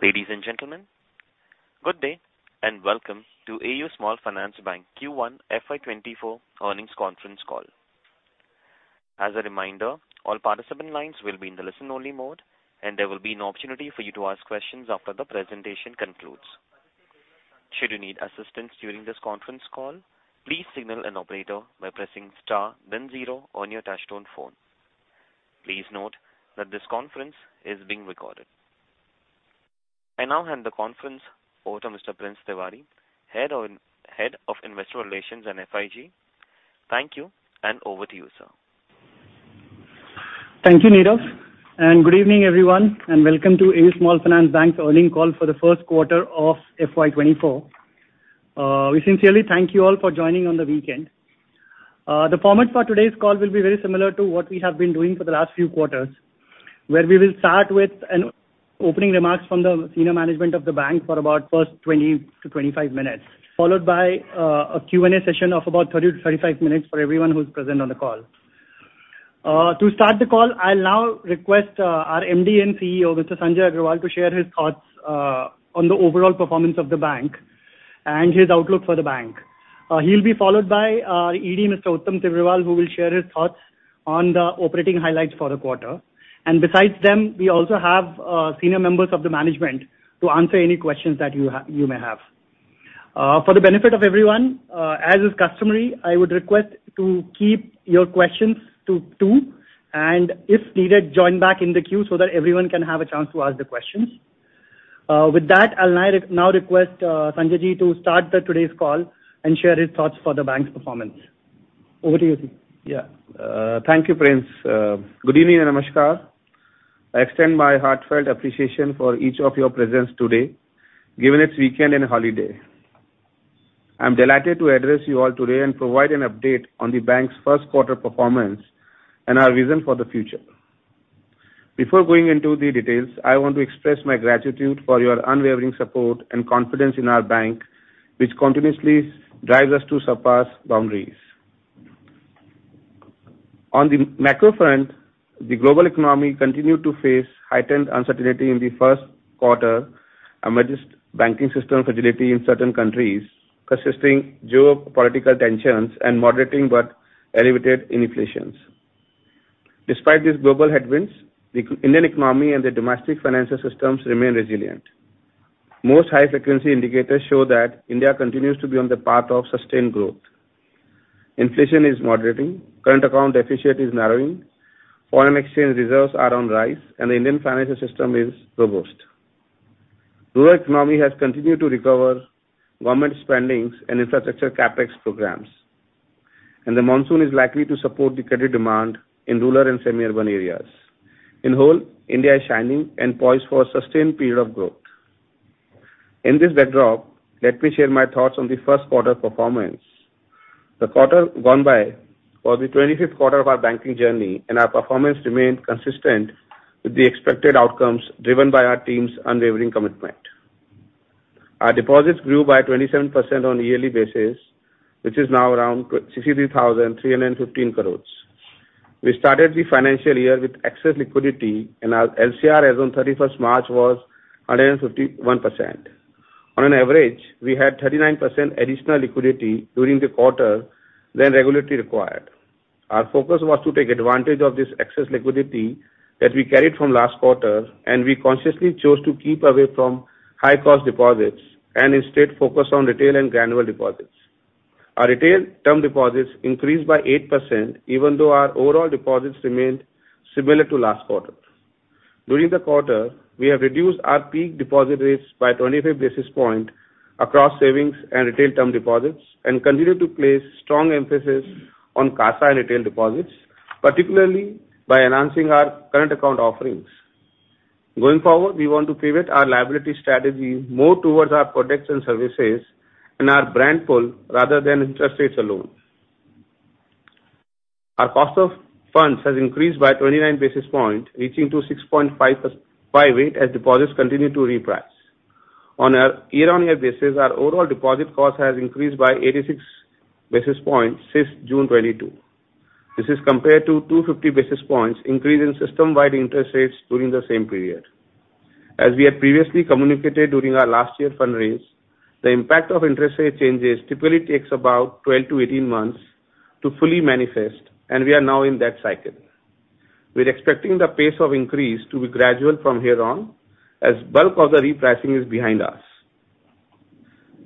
Ladies and gentlemen, good day, and welcome to AU Small Finance Bank Q1 FY 2024 earnings conference call. As a reminder, all participant lines will be in the listen-only mode, and there will be an opportunity for you to ask questions after the presentation concludes. Should you need assistance during this conference call, please signal an operator by pressing star then zero on your touchtone phone. Please note that this conference is being recorded. I now hand the conference over to Mr. Prince Tiwari, Head of Investor Relations and FIG. Thank you, over to you, sir. Thank you, Nirav, good evening, everyone, and welcome to AU Small Finance Bank's earnings call for the first quarter of FY 2024. We sincerely thank you all for joining on the weekend. The format for today's call will be very similar to what we have been doing for the last few quarters, where we will start with an opening remarks from the senior management of the bank for about first 20-25 minutes, followed by a Q&A session of about 30-35 minutes for everyone who's present on the call. To start the call, I'll now request our MD and CEO, Mr. Sanjay Agarwal, to share his thoughts on the overall performance of the bank and his outlook for the bank. He'll be followed by ED, Mr. Uttam Tibrewal, who will share his thoughts on the operating highlights for the quarter. Besides them, we also have senior members of the management to answer any questions that you may have. For the benefit of everyone, as is customary, I would request to keep your questions to two, and if needed, join back in the queue so that everyone can have a chance to ask the questions. With that, I'll now request Sanjay Ji, to start the today's call and share his thoughts for the bank's performance. Over to you, sir. Thank you, Prince. Good evening, namaskar. I extend my heartfelt appreciation for each of your presence today, given it's weekend and a holiday. I'm delighted to address you all today and provide an update on the bank's first quarter performance and our vision for the future. Before going into the details, I want to express my gratitude for your unwavering support and confidence in our bank, which continuously drives us to surpass boundaries. On the macro front, the global economy continued to face heightened uncertainty in the first quarter amidst banking system fragility in certain countries, persisting geopolitical tensions, and moderating but elevated inflations. Despite these global headwinds, the Indian economy and the domestic financial systems remain resilient. Most high-frequency indicators show that India continues to be on the path of sustained growth. Inflation is moderating, current account deficit is narrowing, foreign exchange reserves are on rise. The Indian financial system is robust. Rural economy has continued to recover, government spendings and infrastructure CapEx programs. The monsoon is likely to support the credit demand in rural and semi-urban areas. In whole, India is shining and poised for a sustained period of growth. In this backdrop, let me share my thoughts on the first quarter performance. The quarter gone by was the 25th quarter of our banking journey. Our performance remained consistent with the expected outcomes, driven by our team's unwavering commitment. Our deposits grew by 27% on a yearly basis, which is now around 63,315 crores. We started the financial year with excess liquidity. Our LCR as on 31st March was 151%. On an average, we had 39% additional liquidity during the quarter than regulatory required. Our focus was to take advantage of this excess liquidity that we carried from last quarter, and we consciously chose to keep away from high-cost deposits and instead focus on retail and granular deposits. Our retail term deposits increased by 8%, even though our overall deposits remained similar to last quarter. During the quarter, we have reduced our peak deposit rates by 25 basis points across savings and retail term deposits and continued to place strong emphasis on CASA retail deposits, particularly by enhancing our current account offerings. Going forward, we want to pivot our liability strategy more towards our products and services and our brand pull rather than interest rates alone. Our cost of funds has increased by 29 basis points, reaching to 6.58%, as deposits continue to reprice. On a year-on-year basis, our overall deposit cost has increased by 86 basis points since June 2022. This is compared to 250 basis points increase in system-wide interest rates during the same period. As we had previously communicated during our last year fundraise, the impact of interest rate changes typically takes about 12-18 months to fully manifest, and we are now in that cycle. We're expecting the pace of increase to be gradual from here on, as bulk of the repricing is behind us.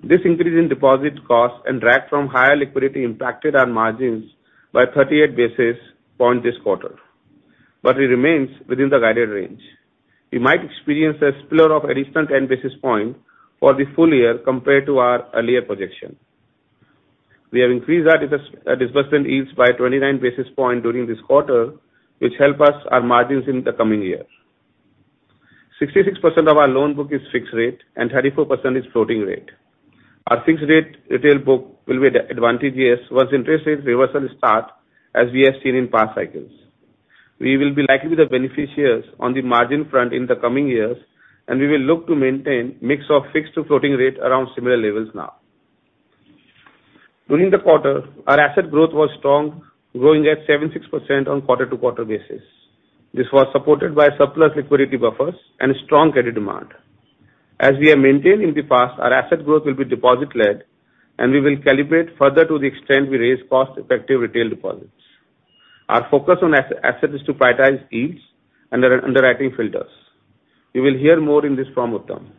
This increase in deposit costs and drag from higher liquidity impacted our margins by 38 basis points this quarter, but it remains within the guided range. We might experience a spill of additional 10 basis points for the full year compared to our earlier projection. We have increased our disbursement yields by 29 basis points during this quarter, which help us our margins in the coming year. 66% of our loan book is fixed rate, and 34% is floating rate. Our fixed-rate retail book will be advantageous once interest rate reversal start, as we have seen in past cycles. We will be likely the beneficiaries on the margin front in the coming years. We will look to maintain mix of fixed to floating rate around similar levels now. During the quarter, our asset growth was strong, growing at 76% on quarter-to-quarter basis. This was supported by surplus liquidity buffers and strong credit demand. As we have maintained in the past, our asset growth will be deposit-led, and we will calibrate further to the extent we raise cost-effective retail deposits. Our focus on as-assets is to prioritize yields and the underwriting filters. You will hear more in this from Uttam.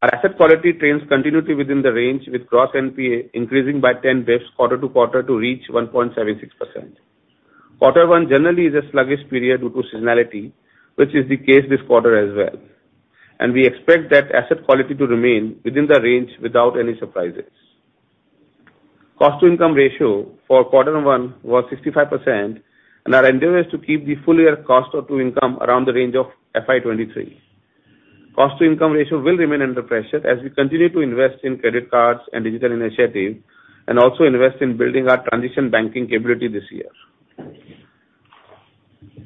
Our asset quality trends continuity within the range, with gross NPA increasing by 10 basis points quarter-over-quarter to reach 1.76%. Quarter 1 generally is a sluggish period due to seasonality, which is the case this quarter as well, and we expect that asset quality to remain within the range without any surprises. Cost-to-income ratio for quarter 1 was 65%, and our endeavor is to keep the full year cost of to income around the range of FY 2023. Cost-to-income ratio will remain under pressure as we continue to invest in credit cards and digital initiatives. Also invest in building our transaction banking capability this year.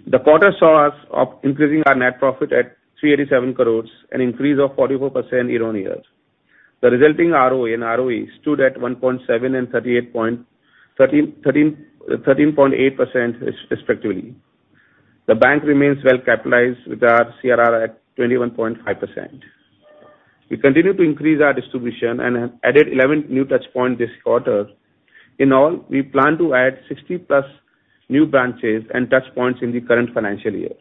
The quarter saw us of increasing our net profit at 387 crore, an increase of 44% year-on-year. The resulting ROA and ROA stood at 1.7 and 13.8% respectively. The bank remains well capitalized, with our CRAR at 21.5%. We continue to increase our distribution and have added 11 new touchpoints this quarter. In all, we plan to add 60+ new branches and touchpoints in the current financial year.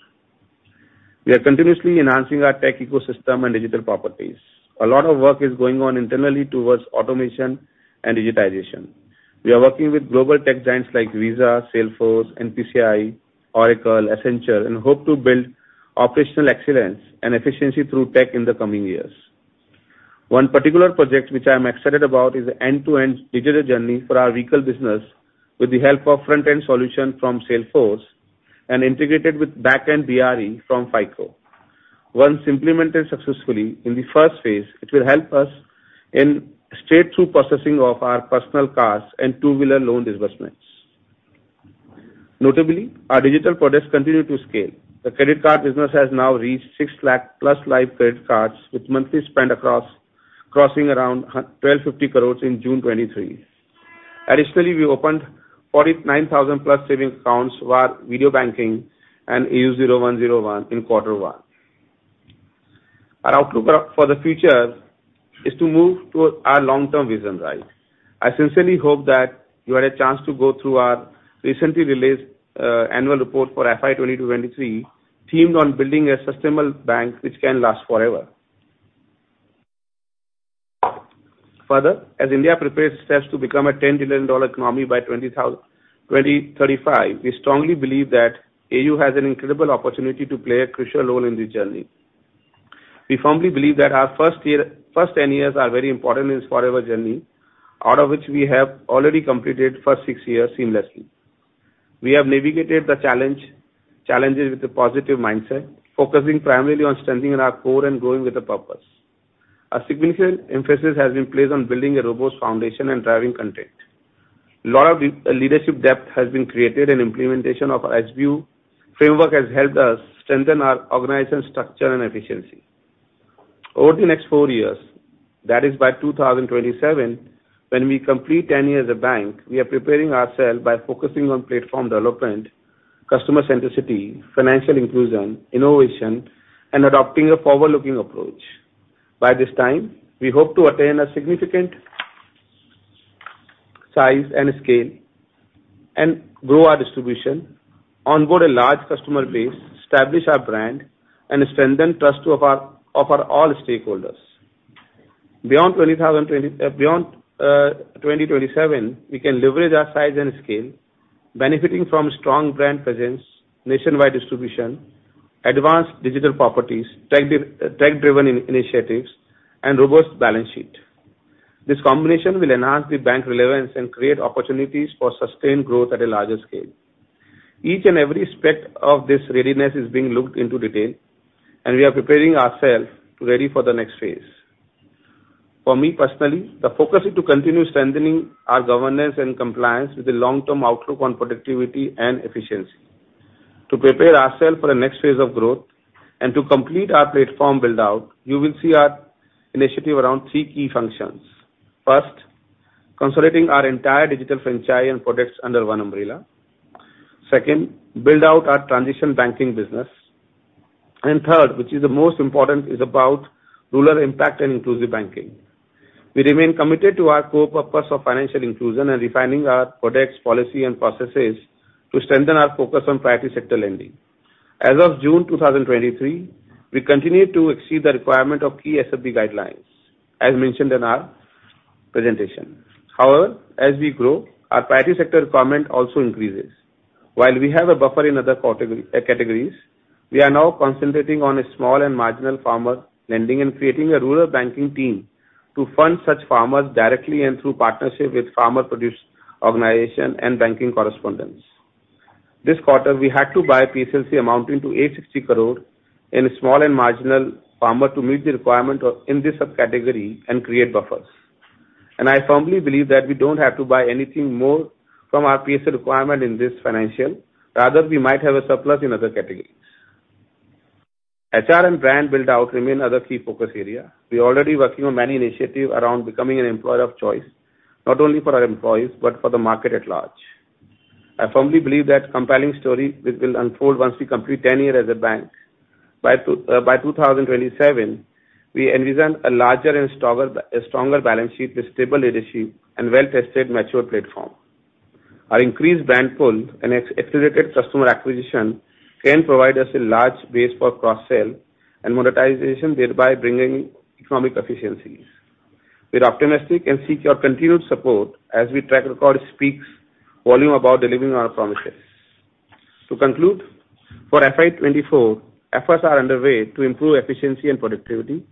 We are continuously enhancing our tech ecosystem and digital properties. A lot of work is going on internally towards automation and digitization. We are working with global tech giants like Visa, Salesforce, NPCI, Oracle, Accenture, hope to build operational excellence and efficiency through tech in the coming years. One particular project which I am excited about is the end-to-end digital journey for our vehicle business, with the help of front-end solution from Salesforce and integrated with back-end BRE from FICO. Once implemented successfully, in the first phase, it will help us in straight-through processing of our personal cars and two-wheeler loan disbursements. Notably, our digital products continue to scale. The credit card business has now reached 6 lakh-plus live credit cards, with monthly spend across, crossing around 1,250 crores in June 2023. We opened 49,000-plus savings accounts via Video Banking and AU0101 in quarter one. Our outlook for the future is to move to our long-term vision, right? I sincerely hope that you had a chance to go through our recently released annual report for FY 2022, 2023, themed on building a sustainable bank which can last forever. As India prepares steps to become a $10 trillion economy by 2035, we strongly believe that AU has an incredible opportunity to play a crucial role in this journey. We firmly believe that our first year, first 10 years are very important in this forever journey, out of which we have already completed first six years seamlessly. We have navigated the challenges with a positive mindset, focusing primarily on strengthening our core and growing with a purpose. A significant emphasis has been placed on building a robust foundation and driving content. A lot of leadership depth has been created. Implementation of our SBU framework has helped us strengthen our organizational structure and efficiency. Over the next four years, that is by 2027, when we complete 10 years as a bank, we are preparing ourselves by focusing on platform development, customer centricity, financial inclusion, innovation, and adopting a forward-looking approach. By this time, we hope to attain a significant size and scale, and grow our distribution, onboard a large customer base, establish our brand, and strengthen trust of our all stakeholders. Beyond 2027, we can leverage our size and scale, benefiting from strong brand presence, nationwide distribution, advanced digital properties, tech-driven initiatives, and robust balance sheet. This combination will enhance the bank relevance and create opportunities for sustained growth at a larger scale. Each and every aspect of this readiness is being looked into detail, and we are preparing ourselves ready for the next phase. For me, personally, the focus is to continue strengthening our governance and compliance with a long-term outlook on productivity and efficiency. To prepare ourselves for the next phase of growth and to complete our platform build-out, you will see our initiative around three key functions. First, consolidating our entire digital franchise and products under one umbrella. Second, build out our transaction banking business. Third, which is the most important, is about rural impact and inclusive banking. We remain committed to our core purpose of financial inclusion and refining our products, policy, and processes to strengthen our focus on priority sector lending. As of June 2023, we continue to exceed the requirement of key SFB guidelines, as mentioned in our presentation. However, as we grow, our priority sector requirement also increases. While we have a buffer in other categories, we are now concentrating on a small and marginal farmer lending and creating a rural banking team to fund such farmers directly and through partnership with Farmer Producer Organisation and banking correspondents. This quarter, we had to buy PSLC amounting to 860 crore in small and marginal farmer to meet the requirement of in this subcategory and create buffers. I firmly believe that we don't have to buy anything more from our PSL requirement in this financial, rather, we might have a surplus in other category. HR and brand build out remain other key focus area. We are already working on many initiative around becoming an employer of choice, not only for our employees, but for the market at large. I firmly believe that compelling story will unfold once we complete 10 year as a bank. By 2027, we envision a larger and stronger balance sheet with stable leadership and well-tested, mature platform. Our increased brand pull and accelerated customer acquisition can provide us a large base for cross-sell and monetization, thereby bringing economic efficiencies. We're optimistic and seek your continued support as we track record speaks volume about delivering our promises. To conclude, for FY 2024, efforts are underway to improve efficiency and productivity,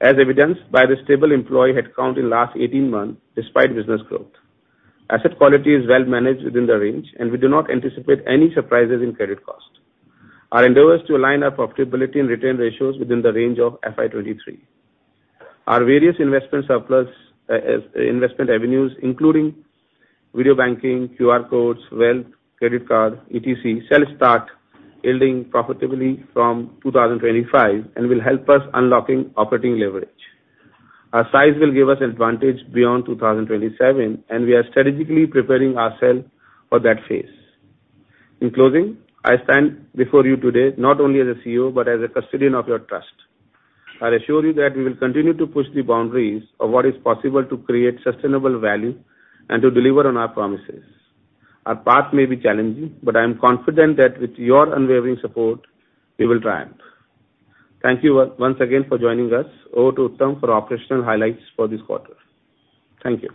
as evidenced by the stable employee headcount in last 18 months despite business growth. Asset quality is well managed within the range, and we do not anticipate any surprises in credit cost. Our endeavors to align our profitability and return ratios within the range of FY 2023. Our various investment surplus investment avenues, including Video Banking, QR codes, wealth, credit card, etc., shall start yielding profitably from 2025 and will help us unlocking operating leverage. Our size will give us advantage beyond 2027, and we are strategically preparing ourselves for that phase. In closing, I stand before you today, not only as a CEO, but as a custodian of your trust. I assure you that we will continue to push the boundaries of what is possible to create sustainable value and to deliver on our promises. Our path may be challenging, but I am confident that with your unwavering support, we will triumph. Thank you once again for joining us. Over to Uttam for operational highlights for this quarter. Thank you.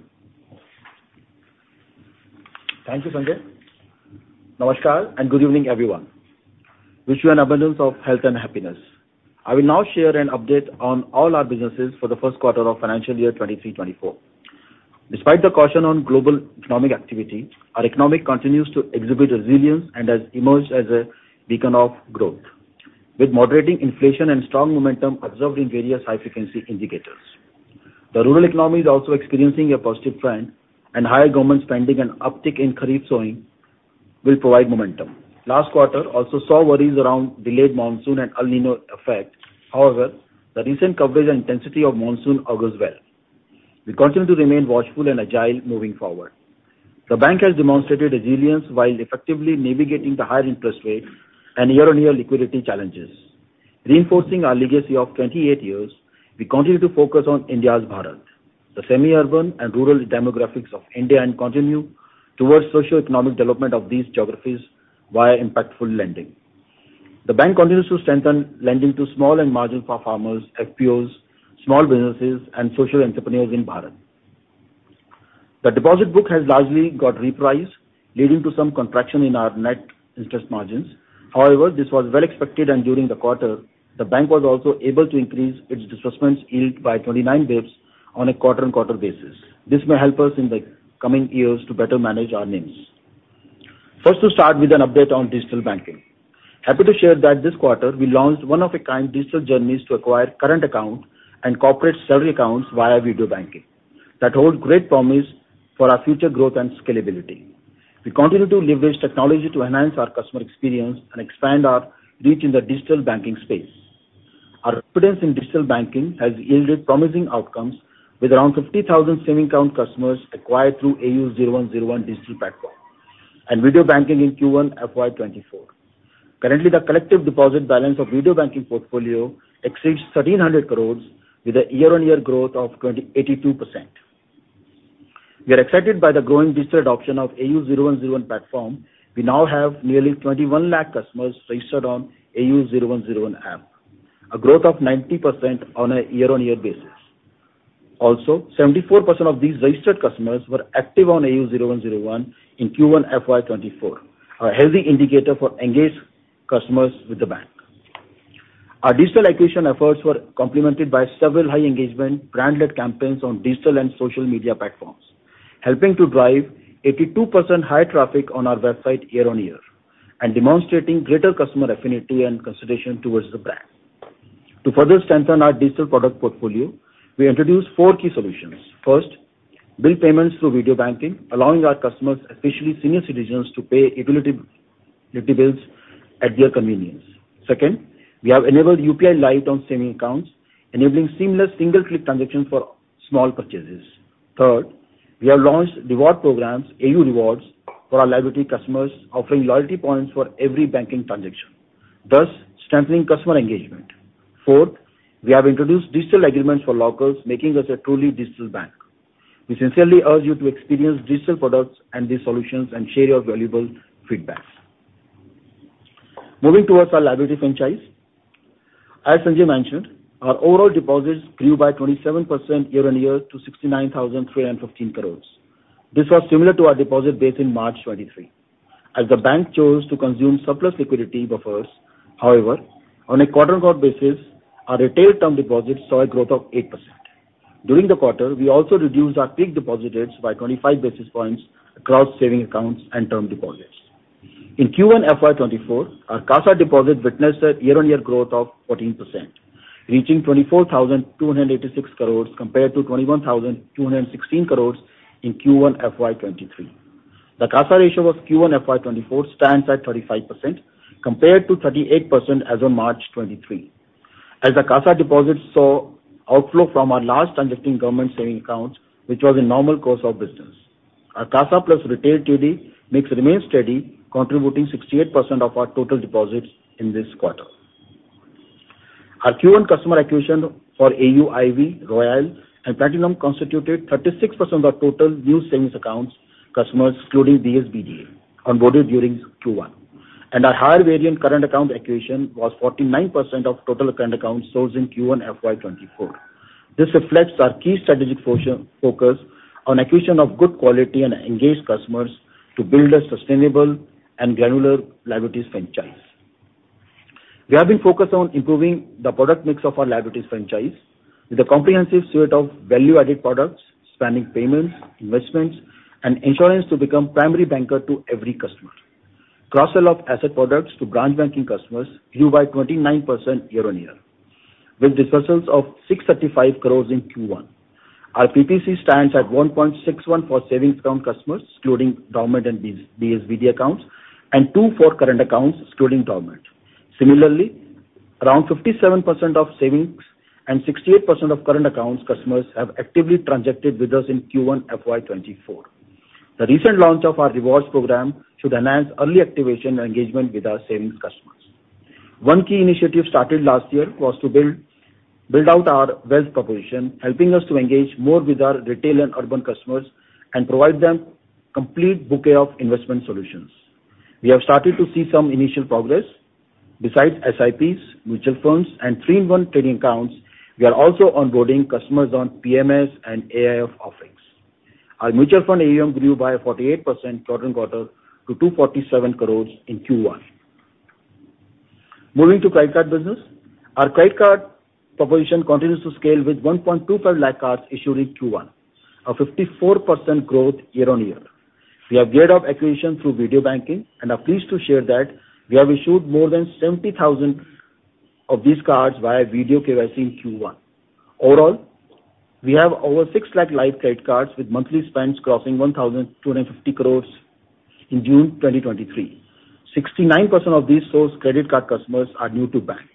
Thank you, Sanjay. Namaskar, good evening, everyone. Wish you an abundance of health and happiness. I will now share an update on all our businesses for the first quarter of financial year 2023, 2024. Despite the caution on global economic activity, our economic continues to exhibit resilience and has emerged as a beacon of growth, with moderating inflation and strong momentum observed in various high-frequency indicators. The rural economy is also experiencing a positive trend, higher government spending and uptick in kharif sowing will provide momentum. Last quarter also saw worries around delayed monsoon and El Niño effect. The recent coverage and intensity of monsoon augurs well. We continue to remain watchful and agile moving forward. The bank has demonstrated resilience while effectively navigating the higher interest rate and year-on-year liquidity challenges. Reinforcing our legacy of 28 years, we continue to focus on India's Bharat, the semi-urban and rural demographics of India, and continue towards socio-economic development of these geographies via impactful lending. The bank continues to strengthen lending to small and marginal farmers, FPOs, small businesses, and social entrepreneurs in Bharat. The deposit book has largely got repriced, leading to some contraction in our net interest margins. However, this was well expected, and during the quarter, the bank was also able to increase its disbursements yield by 29 bps on a quarter-on-quarter basis. This may help us in the coming years to better manage our NIMs. First, to start with an update on digital banking. Happy to share that this quarter, we launched one-of-a-kind digital journeys to acquire current account and corporate salary accounts via Video Banking. That hold great promise for our future growth and scalability. We continue to leverage technology to enhance our customer experience and expand our reach in the digital banking space. Our presence in digital banking has yielded promising outcomes, with around 50,000 saving account customers acquired through AU 0101 digital platform and Video Banking in Q1 FY 2024. Currently, the collective deposit balance of Video Banking portfolio exceeds 1,300 crore, with a year-on-year growth of 82%. We are excited by the growing digital adoption of AU 0101 platform. We now have nearly 21 lakh customers registered on AU 0101 app, a growth of 90% on a year-on-year basis. Seventy-four percent of these registered customers were active on AU 0101 in Q1 FY 2024, a healthy indicator for engaged customers with the bank. Our digital acquisition efforts were complemented by several high engagement, brand-led campaigns on digital and social media platforms, helping to drive 82% higher traffic on our website year on year, demonstrating greater customer affinity and consideration towards the brand. To further strengthen our digital product portfolio, we introduced four key solutions. First, bill payments through Video Banking, allowing our customers, especially senior citizens, to pay utility bills at their convenience. Second, we have enabled UPI Lite on saving accounts, enabling seamless single-click transactions for small purchases. Third, we have launched reward programs, AU Rewardz, for our liability customers, offering loyalty points for every banking transaction, thus strengthening customer engagement. Fourth, we have introduced digital agreements for lockers, making us a truly digital bank. We sincerely urge you to experience digital products and these solutions and share your valuable feedbacks. Moving towards our liability franchise. As Sanjay mentioned, our overall deposits grew by 27% year-on-year to 69,315 crores. This was similar to our deposit base in March 2023. The bank chose to consume surplus liquidity buffers, however, on a quarter-on-quarter basis, our retail term deposits saw a growth of 8%. During the quarter, we also reduced our peak deposit rates by 25 basis points across savings accounts and term deposits. In Q1 FY24, our CASA deposits witnessed a year-on-year growth of 14%, reaching 24,286 crores compared to 21,216 crores in Q1 FY23. The CASA ratio of Q1 FY24 stands at 35%, compared to 38% as of March 2023, as the CASA deposits saw outflow from our large transacting government saving accounts, which was a normal course of business. Our CASA plus retail TD mix remains steady, contributing 68% of our total deposits in this quarter. Our Q1 customer acquisition for AU IV, Royale, and Platinum constituted 36% of our total new savings accounts customers, including DSBD, onboarded during Q1. Our higher variant current account acquisition was 49% of total current accounts sourced in Q1 FY 2024. This reflects our key strategic focus on acquisition of good quality and engaged customers to build a sustainable and granular liabilities franchise. We have been focused on improving the product mix of our liabilities franchise with a comprehensive suite of value-added products spanning payments, investments, and insurance to become primary banker to every customer. Cross-sell of asset products to branch banking customers grew by 29% year-on-year, with dispersals of 635 crores in Q1. Our PPC stands at 1.61 for savings account customers, including dormant and DSBD accounts, and two for current accounts, excluding dormant. Similarly, around 57% of savings and 68% of current accounts customers have actively transacted with us in Q1 FY 2024. The recent launch of our rewards program should enhance early activation engagement with our savings customers. One key initiative started last year was to build out our wealth proposition, helping us to engage more with our retail and urban customers and provide them complete bouquet of investment solutions. We have started to see some initial progress. Besides SIPs, mutual funds, and three-in-one trading accounts, we are also onboarding customers on PMS and AIF offerings. Our mutual fund AUM grew by 48% quarter-on-quarter to 247 crores in Q1. Moving to credit card business. Our credit card proposition continues to scale with 1.25 lakh cards issued in Q1, a 54% growth year-on-year. We have geared up acquisition through Video Banking, and are pleased to share that we have issued more than 70,000 of these cards via video KYC in Q1. Overall, we have over 6 lakh live credit cards with monthly spends crossing 1,250 crore in June 2023. 69% of these sourced credit card customers are new to bank,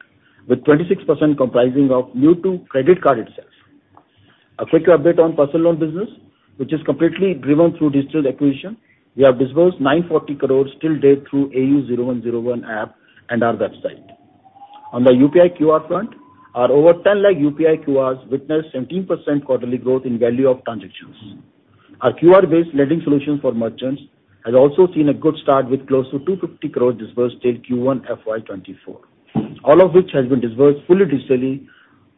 with 26% comprising of new to credit card itself. A quick update on personal loan business, which is completely driven through digital acquisition. We have disbursed 940 crore till date through AU 0101 app and our website. On the UPI QR front, our over 10 lakh UPI QRs witnessed 17% quarterly growth in value of transactions. Our QR-based lending solution for merchants has also seen a good start with close to 250 crores disbursed till Q1 FY 2024, all of which has been disbursed fully digitally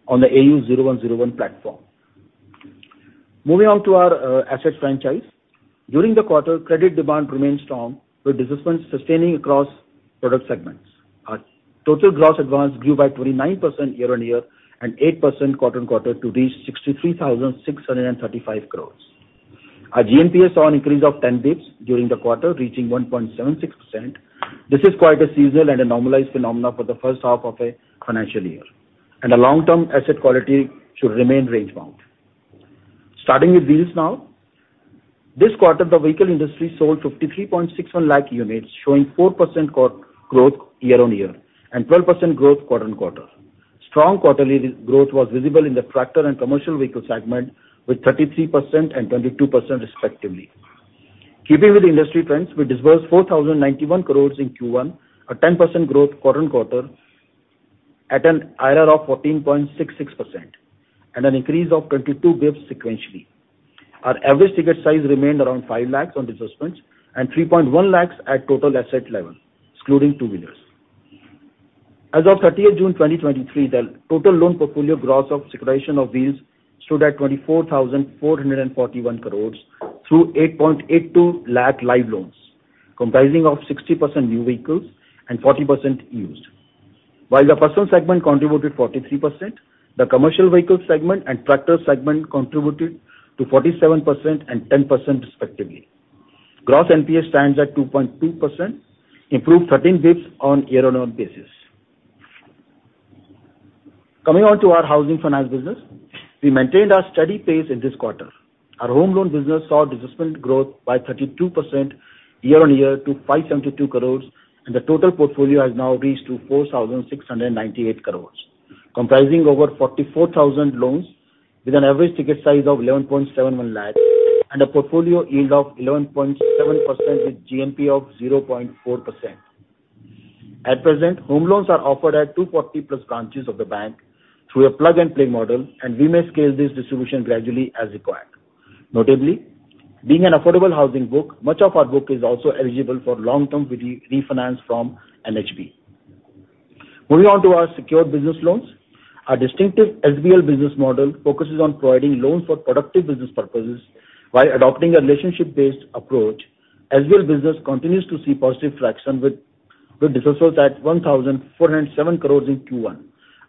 on the AU 0101 platform. Moving on to our asset franchise. During the quarter, credit demand remained strong, with disbursements sustaining across product segments. Our total gross advance grew by 29% year-on-year and 8% quarter-on-quarter to reach 63,635 crores. Our GNPA saw an increase of 10 bps during the quarter, reaching 1.76%. This is quite a seasonal and a normalized phenomena for the first half of a financial year. The long-term asset quality should remain range-bound. Starting with wheels now. This quarter, the vehicle industry sold 53.61 lakh units, showing 4% growth year-on-year and 12% growth quarter-on-quarter. Strong quarterly growth was visible in the tractor and commercial vehicle segment, with 33% and 22% respectively. Keeping with industry trends, we disbursed 4,091 crores in Q1, a 10% growth quarter-on-quarter, at an IRR of 14.66% and an increase of 22 bps sequentially. Our average ticket size remained around 5 lakhs on disbursements and 3.1 lakhs at total asset level, excluding two-wheelers. As of 30 June, 2023, the total loan portfolio gross of securitization of these stood at 24,441 crores through 8.82 lakh live loans, comprising of 60% new vehicles and 40% used. While the personal segment contributed 43%, the commercial vehicle segment and tractor segment contributed to 47% and 10% respectively. Gross NPA stands at 2.2%, improved 13 bps on year-on-year basis. Coming on to our housing finance business, we maintained our steady pace in this quarter. Our home loan business saw disbursement growth by 32% year-on-year to 572 crores, and the total portfolio has now reached to 4,698 crores, comprising over 44,000 loans with an average ticket size of 11.71 lakhs, and a portfolio yield of 11.7% with GNP of 0.4%. At present, home loans are offered at 240+ branches of the bank through a plug-and-play model, and we may scale this distribution gradually as required. Notably, being an affordable housing book, much of our book is also eligible for long-term re-refinance from NHB. Moving on to our Secured Business Loans. Our distinctive SBL business model focuses on providing loans for productive business purposes while adopting a relationship-based approach. SBL Business continues to see positive traction with disbursements at 1,407 crores in Q1,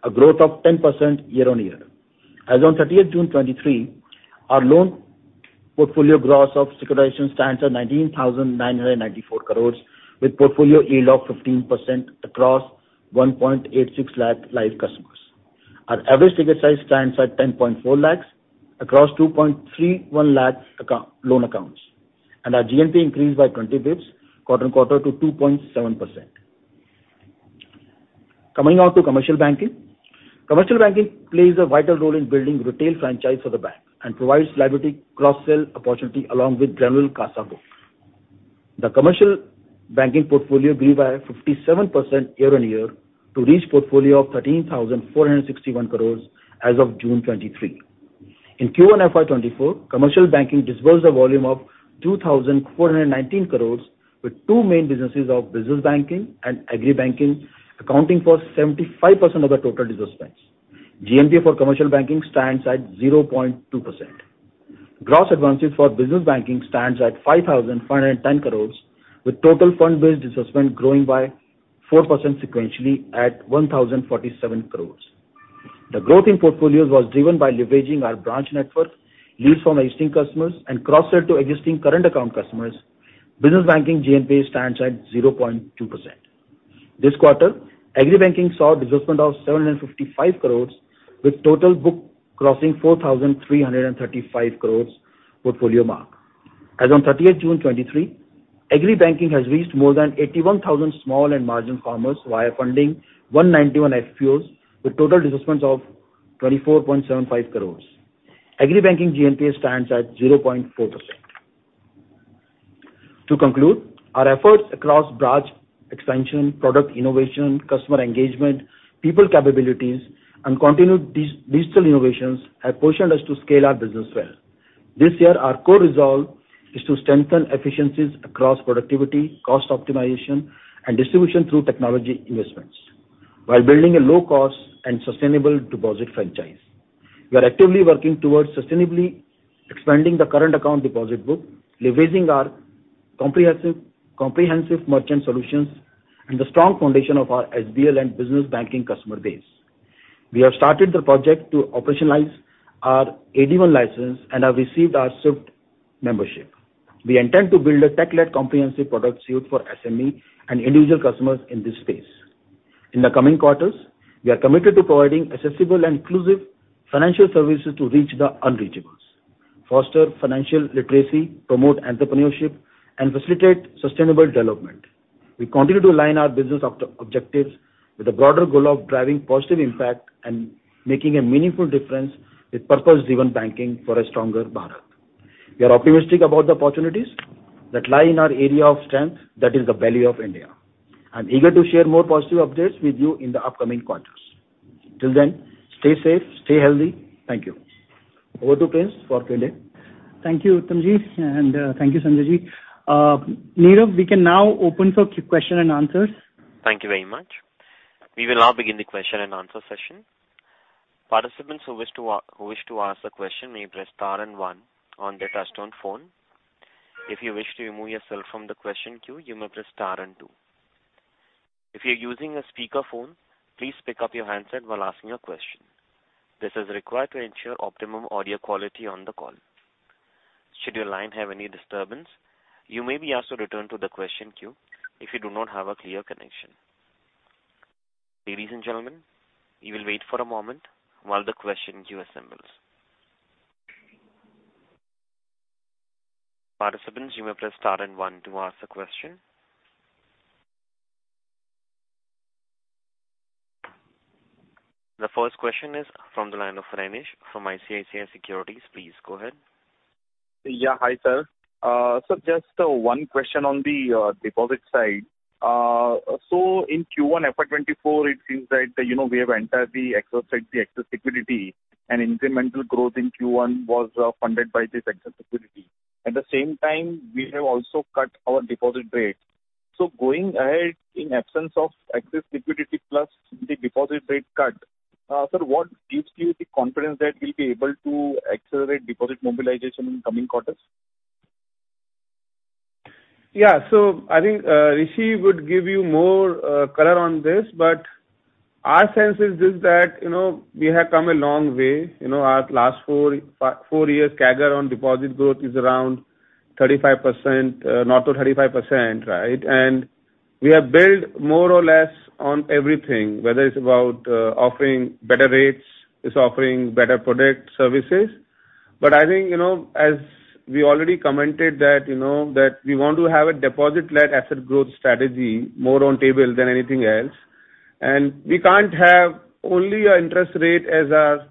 a growth of 10% year-on-year. As on 30th June 2023, our loan portfolio gross of securitization stands at 19,994 crores, with portfolio AUM of 15% across 1.86 lakh live customers. Our average ticket size stands at 10.4 lakhs across 2.31 lakh loan accounts, and our GNPA increased by 20 bps quarter-on-quarter to 2.7%. Coming now to commercial banking. Commercial banking plays a vital role in building retail franchise for the bank and provides liability cross-sell opportunity along with general CASA book. The commercial banking portfolio grew by 57% year-over-year to reach portfolio of 13,461 crores as of June 2023. In Q1 FY24, commercial banking disbursed a volume of 2,419 crores, with two main businesses of business banking and agri banking accounting for 75% of the total disbursements. GNPA for commercial banking stands at 0.2%. Gross advances for business banking stands at 5,510 crores, with total fund-based disbursement growing by 4% sequentially at 1,047 crores. The growth in portfolios was driven by leveraging our branch network, leads from existing customers, and cross-sell to existing current account customers. Business banking GNPA stands at 0.2%. This quarter, Agri banking saw disbursement of 755 crores, with total book crossing 4,335 crores portfolio mark. As on 30th June, 2023, Agri banking has reached more than 81,000 small and marginal farmers via funding 191 FPOs, with total disbursements of 24.75 crores. Agri banking GNPA stands at 0.4%. To conclude, our efforts across branch expansion, product innovation, customer engagement, people capabilities, and continued digital innovations have positioned us to scale our business well. This year, our core resolve is to strengthen efficiencies across productivity, cost optimization, and distribution through technology investments, while building a low-cost and sustainable deposit franchise. We are actively working towards sustainably expanding the current account deposit book, leveraging our comprehensive merchant solutions and the strong foundation of our SBL and business banking customer base. We have started the project to operationalize our AD-I license and have received our SWIFT membership. We intend to build a tech-led comprehensive product suite for SME and individual customers in this space. In the coming quarters, we are committed to providing accessible and inclusive financial services to reach the unreachables, foster financial literacy, promote entrepreneurship, and facilitate sustainable development. We continue to align our business objectives with the broader goal of driving positive impact and making a meaningful difference with purpose-driven banking for a stronger Bharat. We are optimistic about the opportunities that lie in our area of strength, that is the value of India. I'm eager to share more positive updates with you in the upcoming quarters. Till then, stay safe, stay healthy. Thank you. Over to Prince for Q&A. Thank you, Uttamji, and thank you, Sanjayji. Nirav, we can now open for question and answers. Thank you very much. We will now begin the question and answer session. Participants who wish to ask a question may press star and one on their touchtone phone. If you wish to remove yourself from the question queue, you may press star and two. If you're using a speakerphone, please pick up your handset while asking a question. This is required to ensure optimum audio quality on the call. Should your line have any disturbance, you may be asked to return to the question queue if you do not have a clear connection. Ladies and gentlemen, we will wait for a moment while the question queue assembles. Participants, you may press star and one to ask a question. The first question is from the line of Renish from ICICI Securities. Please go ahead. Yeah. Hi, sir. Just one question on the deposit side. In Q1 FY 2024, it seems that, you know, we have entirely exhausted the excess liquidity, and incremental growth in Q1 was funded by this excess liquidity. At the same time, we have also cut our deposit rate. Going ahead, in absence of excess liquidity plus the deposit rate cut, sir, what gives you the confidence that we'll be able to accelerate deposit mobilization in coming quarters? I think, Rishi would give you more color on this, but our sense is just that, you know, we have come a long way. You know, our last four years CAGR on deposit growth is around 35%, north of 35%, right? We have built more or less on everything, whether it's about offering better rates, it's offering better product services. I think, you know, as we already commented that, you know, that we want to have a deposit-led asset growth strategy more on table than anything else. We can't have only our interest rate as our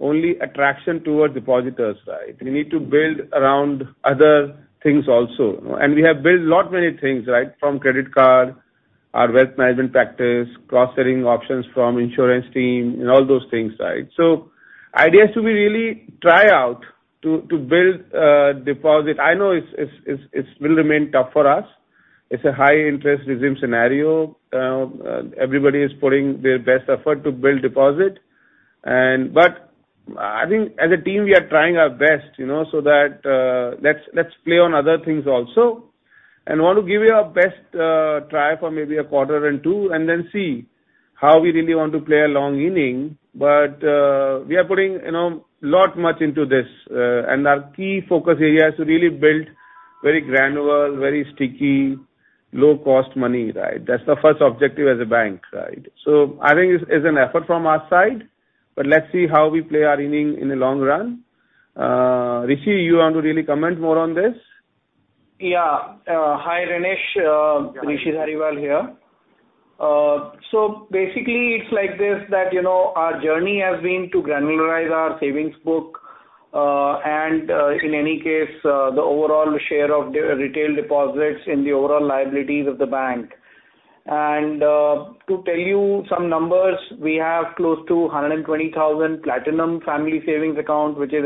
only attraction toward depositors, right? We need to build around other things also. We have built lot, many things, right? From credit card, our wealth management practice, cross-selling options from insurance team, and all those things, right? Idea is to be really try out to build deposit. I know it's will remain tough for us. It's a high interest regime scenario. Everybody is putting their best effort to build deposit. I think as a team, we are trying our best, you know, so that let's play on other things also, and want to give it our best try for maybe a quarter and two, and then see how we really want to play a long inning. We are putting, you know, lot much into this, and our key focus area is to really build-... very granular, very sticky, low-cost money, right? That's the first objective as a bank, right? I think it's an effort from our side, but let's see how we play our inning in the long run. Rishi, you want to really comment more on this? Hi, Renish, Rishi Dhariwal here. Basically, it's like this, that, you know, our journey has been to granularize our savings book, and, in any case, the overall share of the retail deposits in the overall liabilities of the bank. To tell you some numbers, we have close to 120,000 Platinum family savings account, which is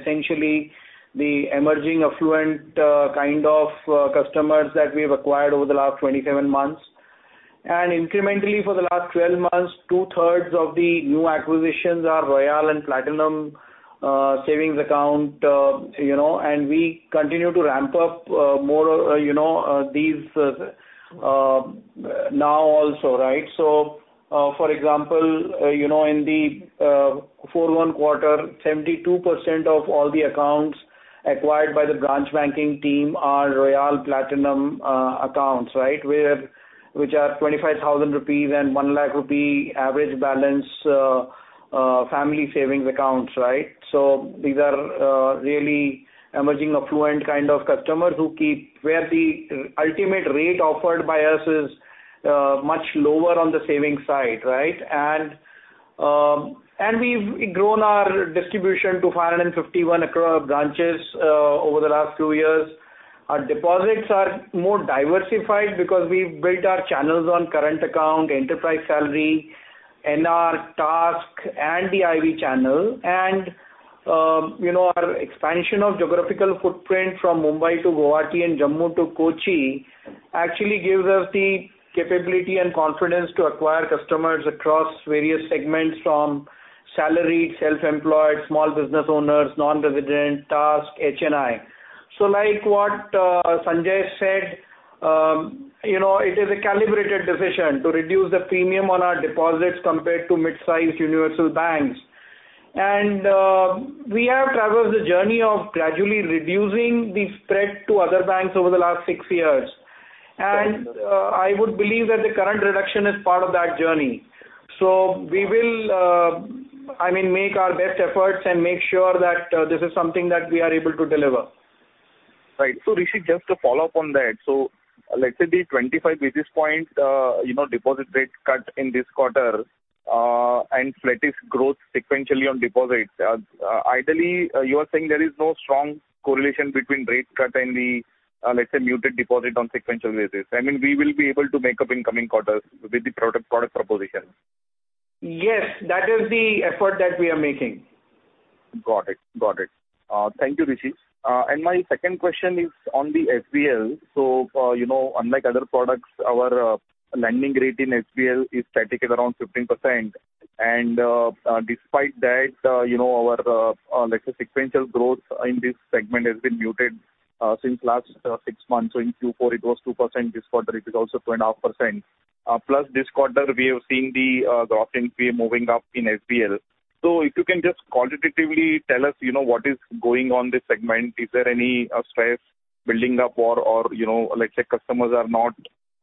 essentially the emerging affluent, kind of, customers that we've acquired over the last 27 months. Incrementally, for the last 12 months, two-thirds of the new acquisitions are Royal and Platinum, savings account, you know, and we continue to ramp up, more, you know, these, now also, right? For example, you know, in the 1 quarter, 72% of all the accounts acquired by the branch banking team are Royale Platinum accounts. Which are 25,000 rupees and 1 lakh rupee average balance family savings accounts. These are really emerging affluent kind of customers where the ultimate rate offered by us is much lower on the savings side. We've grown our distribution to 551 across branches over the last two years. Our deposits are more diversified because we've built our channels on current account, enterprise salary, NR, TASC, and the IV channel. You know, our expansion of geographical footprint from Mumbai to Guwahati and Jammu to Kochi actually gives us the capability and confidence to acquire customers across various segments from salaried, self-employed, small business owners, non-resident, TASC, HNI. Like what Sanjay said, you know, it is a calibrated decision to reduce the premium on our deposits compared to mid-sized universal banks. We have traveled the journey of gradually reducing the spread to other banks over the last six years. I would believe that the current reduction is part of that journey. We will, I mean, make our best efforts and make sure that this is something that we are able to deliver. Right. Rishi, just to follow up on that. Let's say the 25 basis points, you know, deposit rate cut in this quarter, and flattish growth sequentially on deposits. Ideally, you are saying there is no strong correlation between rate cut and the, let's say, muted deposit on sequential basis. I mean, we will be able to make up in coming quarters with the product proposition? Yes, that is the effort that we are making. Got it. Got it. Thank you, Rishi. My second question is on the FBL. You know, unlike other products, our, lending rate in FBL is static at around 15%. Despite that, you know, our, let's say, sequential growth in this segment has been muted, since last, six months. In Q4, it was 2%, this quarter it is also 2.5%. This quarter, we have seen the offent fee moving up in FBL. If you can just quantitatively tell us, you know, what is going on this segment? Is there any, stress building up or, you know, let's say, customers are not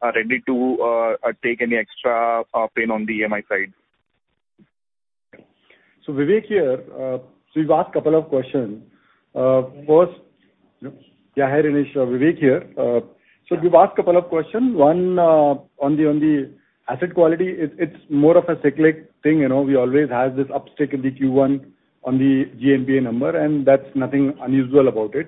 ready to, take any extra, pain on the EMI side? Vivek here. You've asked a couple of questions. Yeah, hi, Renish, Vivek here. We've asked a couple of questions. One, on the asset quality, it's more of a cyclic thing, you know, we always have this uptick in the Q1 on the GNPA number, and that's nothing unusual about it.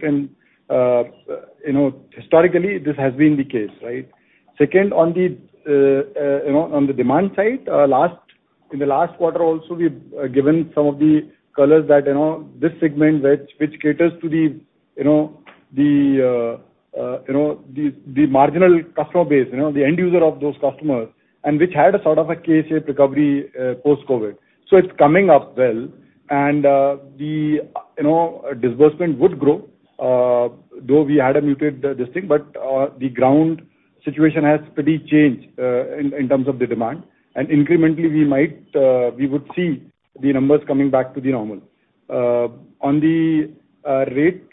Historically, you know, this has been the case, right? Second, on the, you know, on the demand side, in the last quarter also, we've given some of the colors that, you know, this segment which caters to the, you know, the marginal customer base, you know, the end user of those customers, and which had a sort of a K-shaped recovery, post-COVID. It's coming up well, and the, you know, disbursement would grow, though we had a muted this thing, but the ground situation has pretty changed in terms of the demand. Incrementally, we might we would see the numbers coming back to the normal. On the rate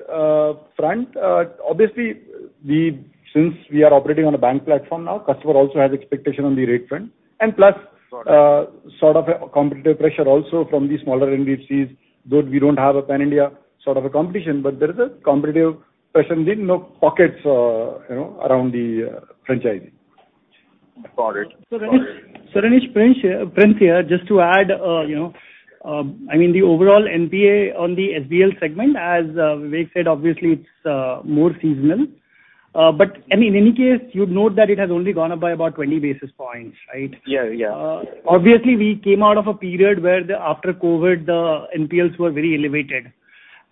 front, obviously, since we are operating on a bank platform now, customer also has expectation on the rate front. plus Got it. sort of a competitive pressure also from the smaller NBFCs, though we don't have a pan-India sort of a competition, but there is a competitive pressure in the pockets, you know, around the franchisee. Got it. Got it. Renesh, Prince here. Just to add, you know, I mean, the overall NPA on the SBL segment, as Vivek said, obviously, it's more seasonal. I mean, in any case, you'd note that it has only gone up by about 20 basis points, right? Yeah, yeah. Obviously, we came out of a period where the, after COVID, the NPLs were very elevated,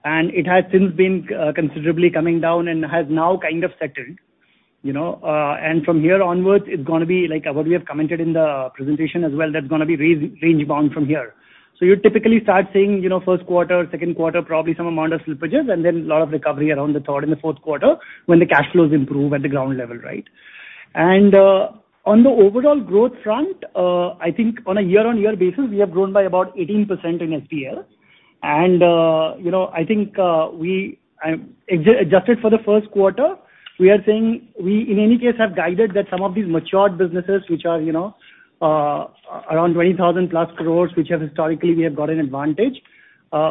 and it has since been considerably coming down and has now kind of settled, you know. From here onwards, it's gonna be like what we have commented in the presentation as well, that's gonna be range bound from here. You typically start seeing, you know, first quarter, second quarter, probably some amount of slippages, and then a lot of recovery around the third and the fourth quarter when the cash flows improve at the ground level, right? on the overall growth front, I think on a year-over-year basis, we have grown by about 18% in SBL. you know, I think, we, adjusted for the first quarter, we are saying we, in any case, have guided that some of these matured businesses, which are, you know, around 20,000+ crore, which have historically we have got an advantage,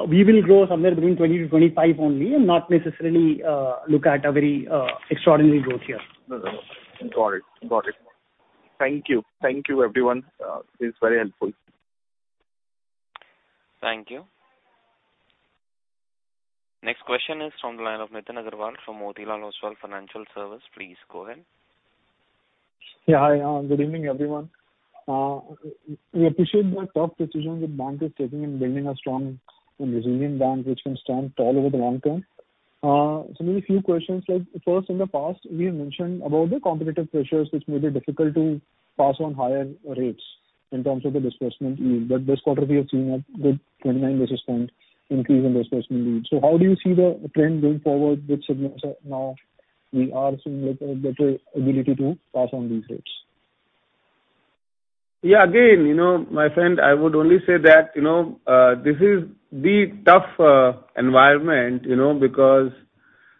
we will grow somewhere between 20-25% only, not necessarily, look at a very, extraordinary growth here. Got it. Thank you, everyone. It's very helpful. Thank you. Next question is from the line of Nitin Aggarwal from Motilal Oswal Financial Services. Please go ahead. Hi, good evening, everyone. We appreciate the tough decisions the bank is taking in building a strong and resilient bank which can stand tall over the long term. Maybe a few questions. Like, first, in the past, we mentioned about the competitive pressures which may be difficult to pass on higher rates in terms of the disbursement yield. This quarter we have seen a good 29 basis point increase in disbursement yield. How do you see the trend going forward, which signals that now we are seeing, like, a better ability to pass on these rates? Yeah, again, you know, my friend, I would only say that, you know, this is the tough environment, you know, because,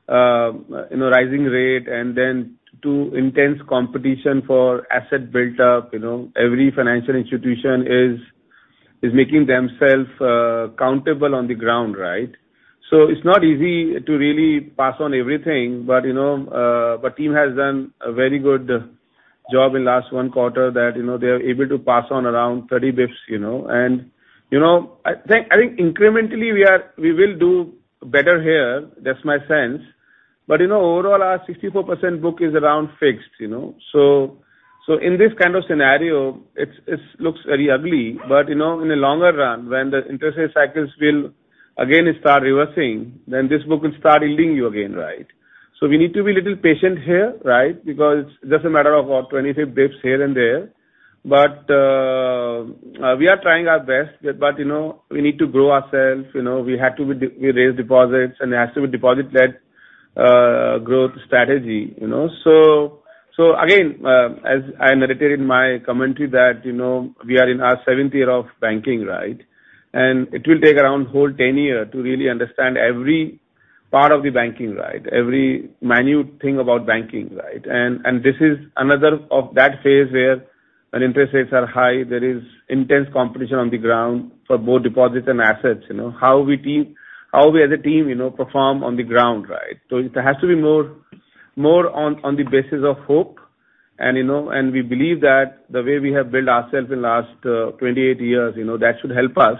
you know, rising rate and then too intense competition for asset build up, you know, every financial institution is making themselves countable on the ground, right? It's not easy to really pass on everything, but, you know, but team has done a very good job in last 1 quarter that, you know, they are able to pass on around 30 bips, you know. I think incrementally, we will do better here, that's my sense. Overall, our 64% book is around fixed, you know? in this kind of scenario, it's looks very ugly. In the longer run, when the interest rate cycles will again start reversing, then this book will start yielding you again, right? We need to be little patient here, right? Because it's just a matter of about 25 bps here and there. We are trying our best. We need to grow ourselves, you know. We have to raise deposits, and it has to be deposit-led growth strategy, you know. Again, as I narrated in my commentary that, you know, we are in our seventh year of banking, right? It will take around whole 10 year to really understand every part of the banking, right? Every minute thing about banking, right? This is another of that phase where when interest rates are high, there is intense competition on the ground for both deposits and assets, you know, how we team, how we as a team, you know, perform on the ground, right? It has to be more on the basis of hope. You know, and we believe that the way we have built ourselves in last 28 years, you know, that should help us,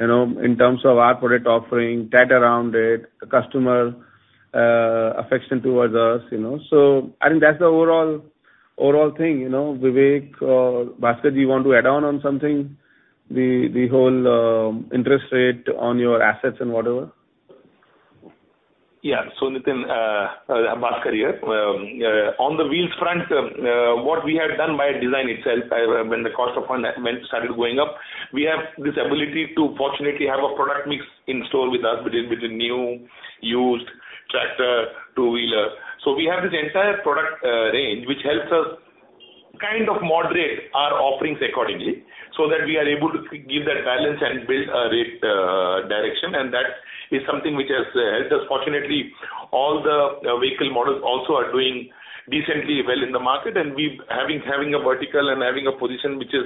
you know, in terms of our product offering, tad around it, the customer affection towards us, you know. I think that's the overall thing, you know. Vivek or Bhaskar, do you want to add on something, the whole interest rate on your assets and whatever? Nitin, Bhaskar here. On the wheels front, what we have done by design itself, when the cost of fund went, started going up, we have this ability to fortunately have a product mix in store with us, between new, used, tractor, two-wheeler. We have this entire product range, which helps us kind of moderate our offerings accordingly, so that we are able to give that balance and build a rate direction, and that is something which has helped us. Fortunately, all the vehicle models also are doing decently well in the market, and we've having a vertical and having a position which is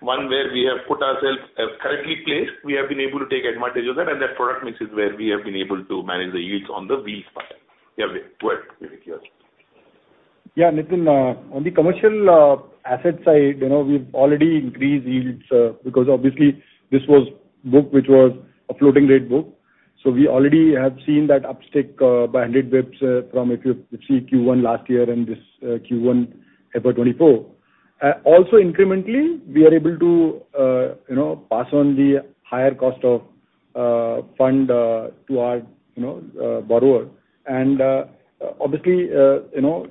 one where we have put ourselves correctly placed, we have been able to take advantage of that, and that product mix is where we have been able to manage the yields on the wheels part. Yeah, Vivek, go ahead, Vivek. Yeah, Nitin, on the commercial, asset side, you know, we've already increased yields, because obviously this was book, which was a floating rate book. We already have seen that uptick, by 100 bps, from if you see Q1 last year and this, Q1 FY24. Also incrementally, we are able to, you know, pass on the higher cost of fund, to our, you know, borrower. Obviously, you know,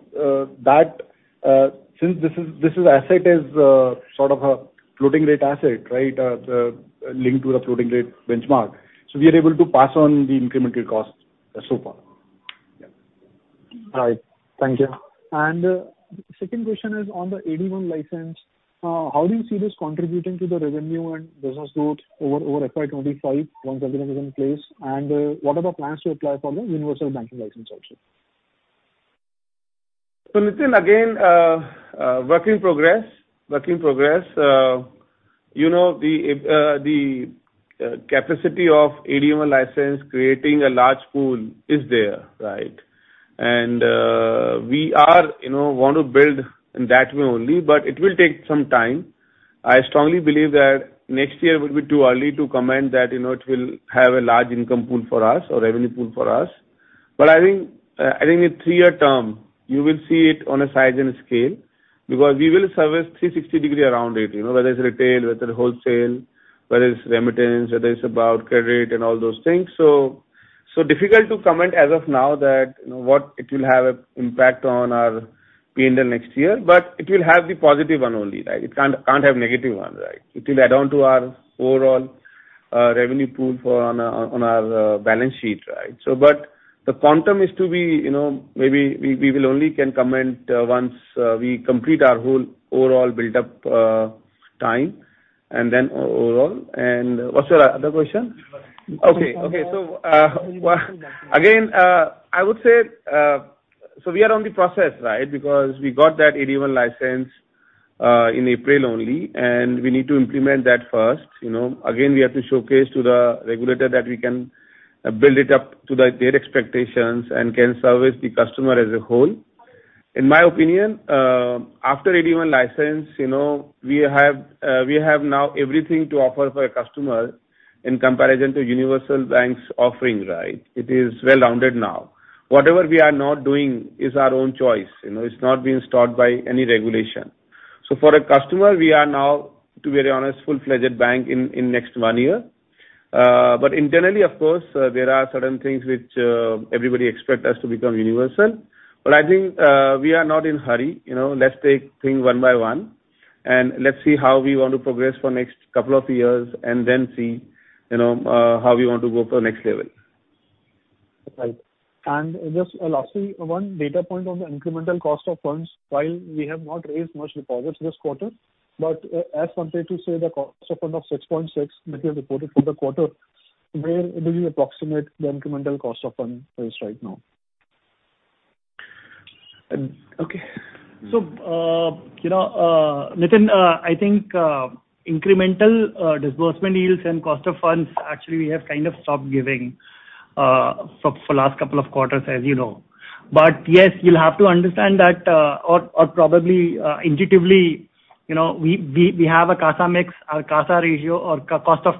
that, since this is asset is, sort of a floating rate asset, right, linked to a floating rate benchmark, we are able to pass on the incremental costs so far. Yeah. All right. Thank you. The second question is on the AD-1 license. How do you see this contributing to the revenue and business growth over FY 25, once everything is in place? What are the plans to apply for the universal banking license also? Nitin, again, work in progress. You know, the capacity of AD-1 license creating a large pool is there, right? We are, you know, want to build in that way only, but it will take some time. I strongly believe that next year will be too early to comment that, you know, it will have a large income pool for us or revenue pool for us. I think, I think in three-year term, you will see it on a size and scale, because we will service 360 degree around it, you know, whether it's retail, whether wholesale, whether it's remittance, whether it's about credit and all those things. Difficult to comment as of now that, you know, what it will have an impact on our P&L next year, but it will have the positive one only, right? It can't have negative one, right? It will add on to our overall revenue pool for on our balance sheet, right? But the quantum is to be, you know, maybe we will only can comment once we complete our whole overall build-up time and then overall. What's your other question? Okay. Again, I would say, we are on the process, right? Because we got that AD-1 license in April only, and we need to implement that first. You know, again, we have to showcase to the regulator that we can build it up to their expectations and can service the customer as a whole. In my opinion, after AD-1 license, you know, we have now everything to offer for a customer in comparison to universal banks offering, right? It is well-rounded now. Whatever we are not doing is our own choice. You know, it's not being stopped by any regulation. For a customer, we are now, to be very honest, full-fledged bank in next one year. Internally, of course, there are certain things which everybody expect us to become universal. I think we are not in hurry, you know. Let's take things one by one, and let's see how we want to progress for next couple of years and then see, you know, how we want to go to the next level. Just lastly, one data point on the incremental cost of funds, while we have not raised much deposits this quarter, but as compared to, say, the cost of fund of 6.6 that you reported for the quarter, where will you approximate the incremental cost of fund is right now? Okay. Nitin Aggarwal, I think incremental disbursement yields and cost of funds, actually, we have kind of stopped giving for last couple of quarters, as you know. Yes, you'll have to understand that or probably intuitively, you know, we have a CASA mix, our CASA ratio or cost of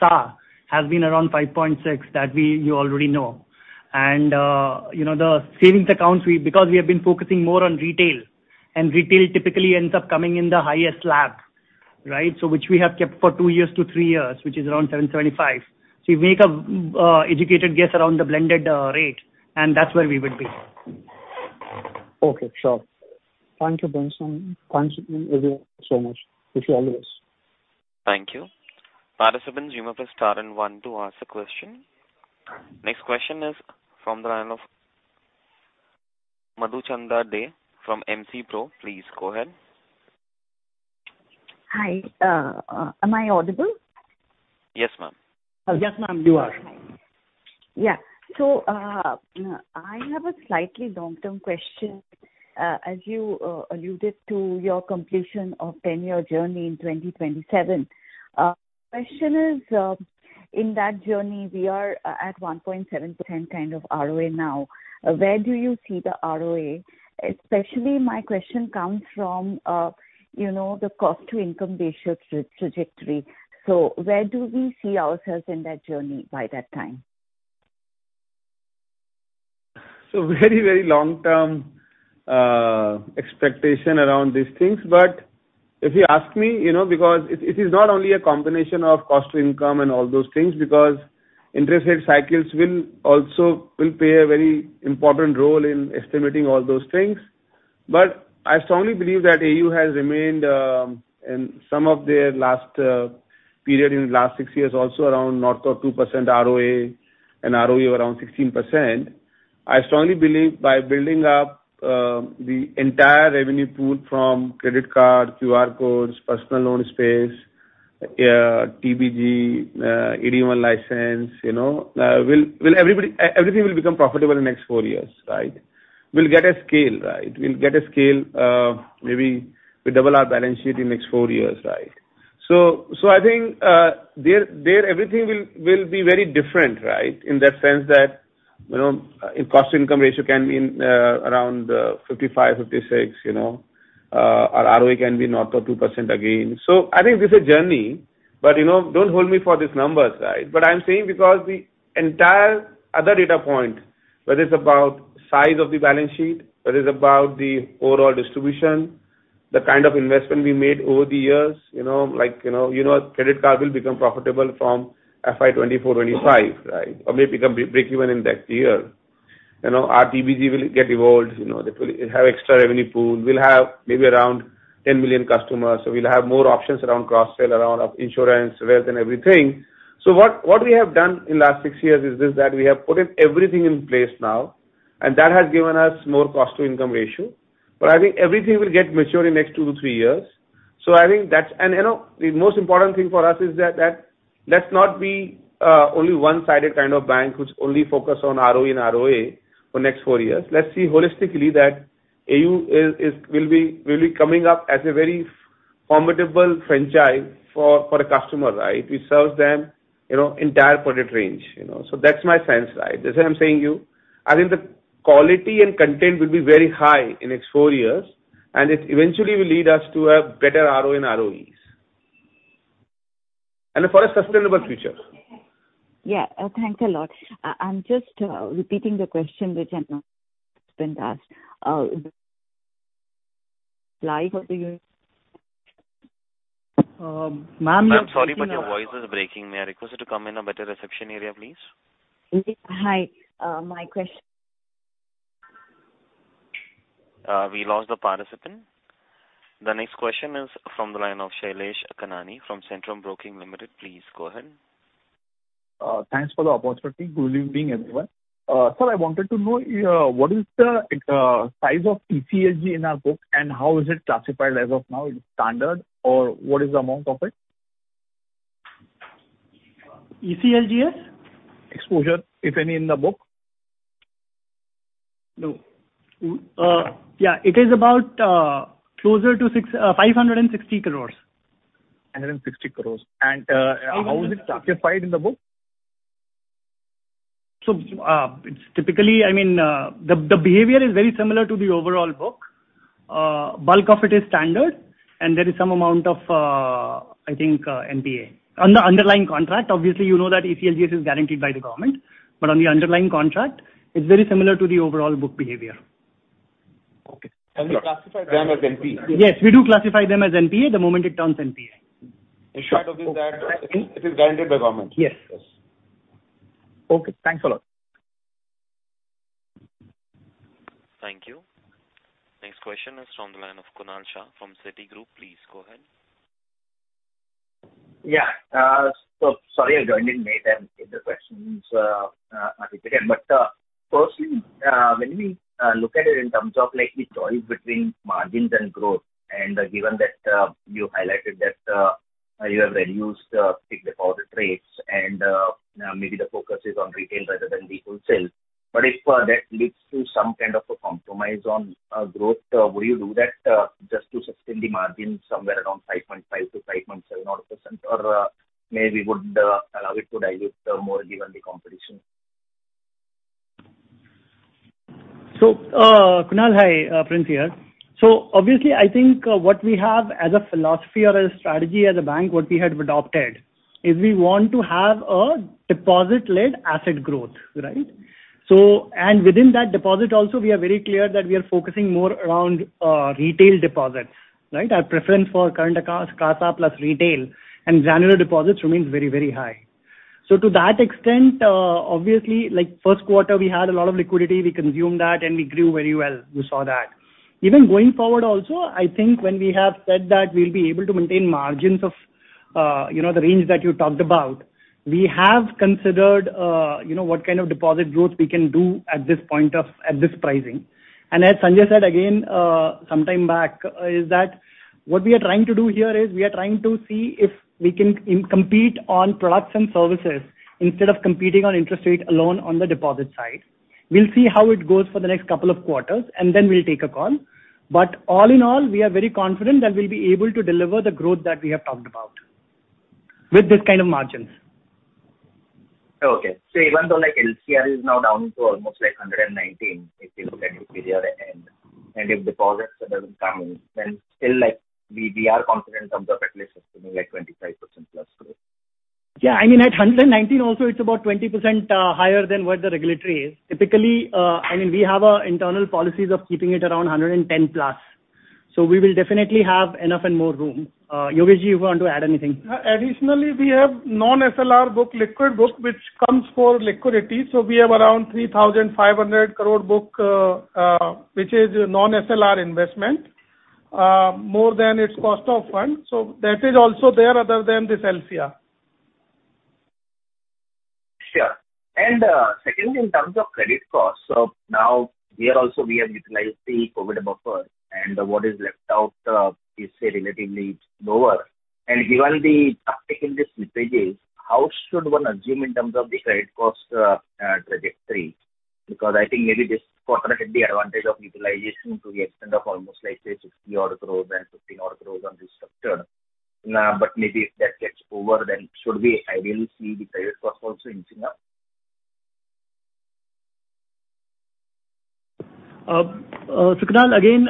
SA has been around 5.6, that we, you already know. You know, the savings accounts, because we have been focusing more on retail, and retail typically ends up coming in the highest slab, right? Which we have kept for two years-three years, which is around 7.75%. You make a educated guess around the blended rate, and that's where we would be. Okay, sure. Thank you, Benson. Thanks so much. Wish you all the best. Thank you. Participants, you may press star 1 to ask a question. Next question is from the line of Madhuchanda Dey from Moneycontrol Pro. Please go ahead. Hi, am I audible? Yes, ma'am. Yes, ma'am, you are. I have a slightly long-term question. As you alluded to your completion of 10-year journey in 2027. Question is, in that journey, we are at 1.7% kind of ROA now. Where do you see the ROA? Especially my question comes from, you know, the cost-to-income ratio trajectory. Where do we see ourselves in that journey by that time? Very, very long term expectation around these things. If you ask me, you know, because it is not only a combination of cost to income and all those things, because interest rate cycles will also play a very important role in estimating all those things. I strongly believe that AU has remained in some of their last period in the last six years, also around north of 2% ROA and ROA around 16%. I strongly believe by building up the entire revenue pool from credit card, QR codes, personal loan space, TBG, AD-1 license, you know, everything will become profitable in the next four years, right? We'll get a scale, right? Maybe we double our balance sheet in the next four years, right? I think everything will be very different, right? In that sense that, you know, cost-to-income ratio can be around 55, 56, you know, our ROA can be north of 2% again. I think this is a journey, but, you know, don't hold me for these numbers, right? I'm saying because the entire other data point, whether it's about size of the balance sheet, whether it's about the overall distribution, the kind of investment we made over the years, you know, like, you know, credit card will become profitable from FY 2024, 2025, right? Or may become breakeven in that year. You know, our TBG will get evolved, you know, that will have extra revenue pool. We'll have maybe around 10 million customers, we'll have more options around cross-sell, around of insurance, wealth and everything. What we have done in last six years is this, that we have put everything in place now, and that has given us more cost-to-income ratio. I think everything will get mature in next two to three years. I think that's. You know, the most important thing for us is that let's not be only one-sided kind of bank, which only focus on ROA and ROA for next four years. Let's see holistically that AU is, will be really coming up as a very formidable franchise for a customer, right? Which serves them, you know, entire product range, you know. That's my sense, right? That's what I'm saying you. I think the quality and content will be very high in next four years, and it eventually will lead us to a better ROA and ROA, and for a sustainable future. Yeah, thanks a lot. I'm just repeating the question which has not been asked live over here. Ma'am. Ma'am, sorry, but your voice is breaking. May I request you to come in a better reception area, please? Hi, my question. We lost the participant. The next question is from the line of Shailesh Kanani from Centrum Broking. Please go ahead. Thanks for the opportunity. Good evening, everyone. I wanted to know, what is the size of ECLGS in our book, and how is it classified as of now? Is it standard, or what is the amount of it? ECLGS? Exposure, if any, in the book. No. Yeah, it is about 560 crores. 160 crores. How is it classified in the book? It's typically, I mean, the behavior is very similar to the overall book. Bulk of it is standard, and there is some amount of, I think, NPA. On the underlying contract, obviously, you know that ECLGS is guaranteed by the government. On the underlying contract, it's very similar to the overall book behavior. Okay. We classify them as NPA? Yes, we do classify them as NPA the moment it turns NPA. Despite of it that, it is guaranteed by government? Yes. Yes. Okay, thanks a lot. Thank you. Next question is from the line of Kunal Shah from Citigroup. Please go ahead. Yeah. Sorry, I joined in late and the questions are repeated. Firstly, when we look at it in terms of, like, the choice between margins and growth, and given that you highlighted that you have reduced fixed deposit rates and maybe the focus is on retail rather than the wholesale. If that leads to some kind of a compromise on growth, would you do that just to sustain the margins somewhere around 5.5%-5.7% odd? Maybe would allow it to dilute more given the competition? Kunal, hi, Prince here. Obviously, I think, what we have as a philosophy or a strategy as a bank, what we had adopted, is we want to have a deposit-led asset growth, right. And within that deposit also, we are very clear that we are focusing more around, retail deposits, right. Our preference for current accounts, CASA plus retail and general deposits remains very, very high. To that extent, obviously, like, first quarter, we had a lot of liquidity. We consumed that, and we grew very well. You saw that. Even going forward also, I think when we have said that we'll be able to maintain margins of, you know, the range that you talked about, we have considered, you know, what kind of deposit growth we can do at this point of, at this pricing. As Sanjay said again, some time back, is that what we are trying to do here is we are trying to see if we can compete on products and services instead of competing on interest rate alone on the deposit side. We'll see how it goes for the next couple of quarters, and then we'll take a call. All in all, we are very confident that we'll be able to deliver the growth that we have talked about with this kind of margins. Even though, like, LCR is now down to almost, like, 119, if you look at the period, and if deposits doesn't come in, then still, like, we are confident in terms of at least sustaining, like, 25%+ growth? Yeah, I mean, at 119 also, it's about 20%, higher than what the regulatory is. Typically, I mean, we have our internal policies of keeping it around 110 plus. We will definitely have enough and more room. Yogesh jain, you want to add anything? Additionally, we have non-SLR book, liquid book, which comes for liquidity. We have around 3,500 crore book, which is non-SLR investment, more than its cost of funds. That is also there other than this LCR. Sure. Secondly, in terms of credit costs. Now here also we have utilized the COVID buffer, and what is left out, is say, relatively lower. Given the uptick in the slippages, how should one assume in terms of the credit cost, trajectory? Because I think maybe this quarter had the advantage of utilization to the extent of almost like, say, 60 odd crores and 15 odd crores on restructured. Maybe if that gets over, then should we ideally see the credit cost also increasing up? Kunal, again,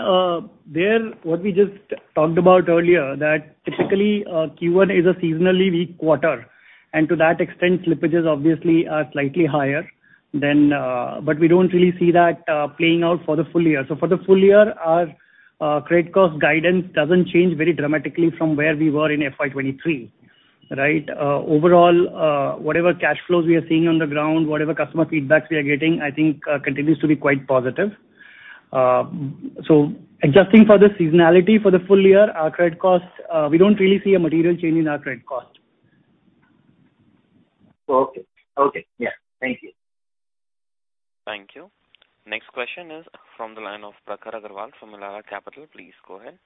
there, what we just talked about earlier, that typically, Q1 is a seasonally weak quarter, and to that extent, slippages obviously are slightly higher than. We don't really see that playing out for the full year. For the full year, our credit cost guidance doesn't change very dramatically from where we were in FY23, right? Overall, whatever cash flows we are seeing on the ground, whatever customer feedbacks we are getting, I think, continues to be quite positive. Adjusting for the seasonality for the full year, our credit costs, we don't really see a material change in our credit cost. Okay. Okay, yeah. Thank you. Thank you. Next question is from the line of Prakhar Agarwal from Elara Capital. Please go ahead.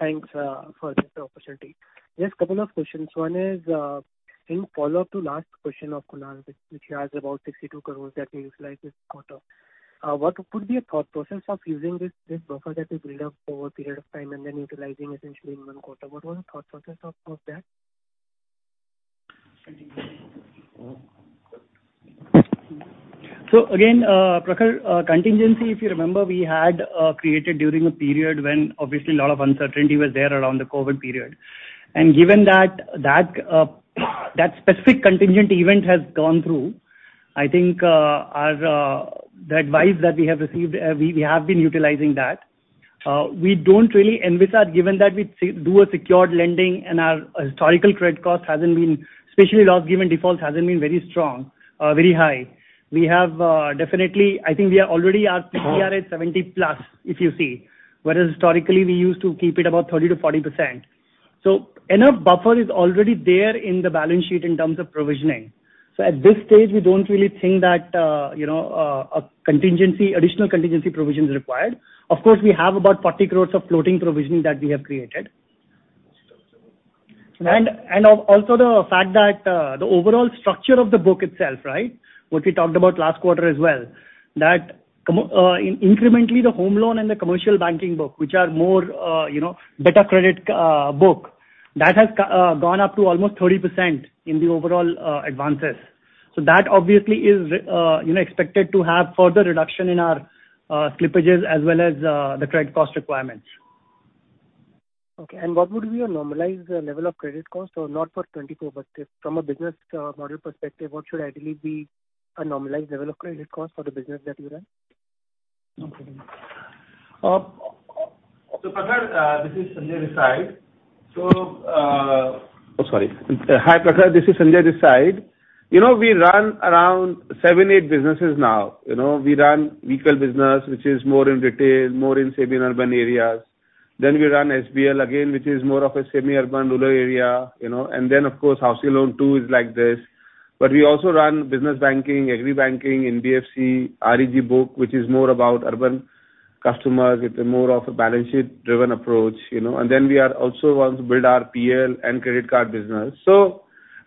Thanks for this opportunity. Just a couple of questions. One is in follow-up to last question of Kunal, which he asked about 62 crore that we utilized this quarter. What could be a thought process of using this buffer that we build up over a period of time and then utilizing essentially in 1 quarter? What was the thought process of that? Prakhar, contingency, if you remember, we had created during a period when obviously a lot of uncertainty was there around the COVID period. Given that specific contingent event has gone through, I think our the advice that we have received, we have been utilizing that. We don't really envisage, given that we do a secured lending and our historical credit cost hasn't been, especially loss given defaults, hasn't been very strong, very high. We have definitely, I think we are already at CRAR 70+, if you see, whereas historically, we used to keep it about 30%-40%. Enough buffer is already there in the balance sheet in terms of provisioning. At this stage, we don't really think that, you know, a contingency, additional contingency provision is required. Of course, we have about 40 crore of floating provisioning that we have created. Also the fact that the overall structure of the book itself, right? What we talked about last quarter as well, that incrementally, the home loan and the commercial banking book, which are more, you know, better credit book, that has gone up to almost 30% in the overall advances. That obviously is, you know, expected to have further reduction in our slippages as well as the credit cost requirements. Okay, what would be your normalized level of credit cost? Not for 2024, but from a business model perspective, what should ideally be a normalized level of credit cost for the business that you run? Prakhar, this is Sanjay Desai. Oh, sorry. Hi, Prakhar, this is Sanjay Desai. You know, we run around seven, eight businesses now. You know, we run vehicle business, which is more in retail, more in semi-urban areas. Then we run SBL again, which is more of a semi-urban, rural area, you know. Then, of course, house loan too is like this. We also run business banking, agri banking, NBFC, REC book, which is more about urban customers. It's a more of a balance sheet-driven approach, you know. Then we are also want to build our PL and credit card business.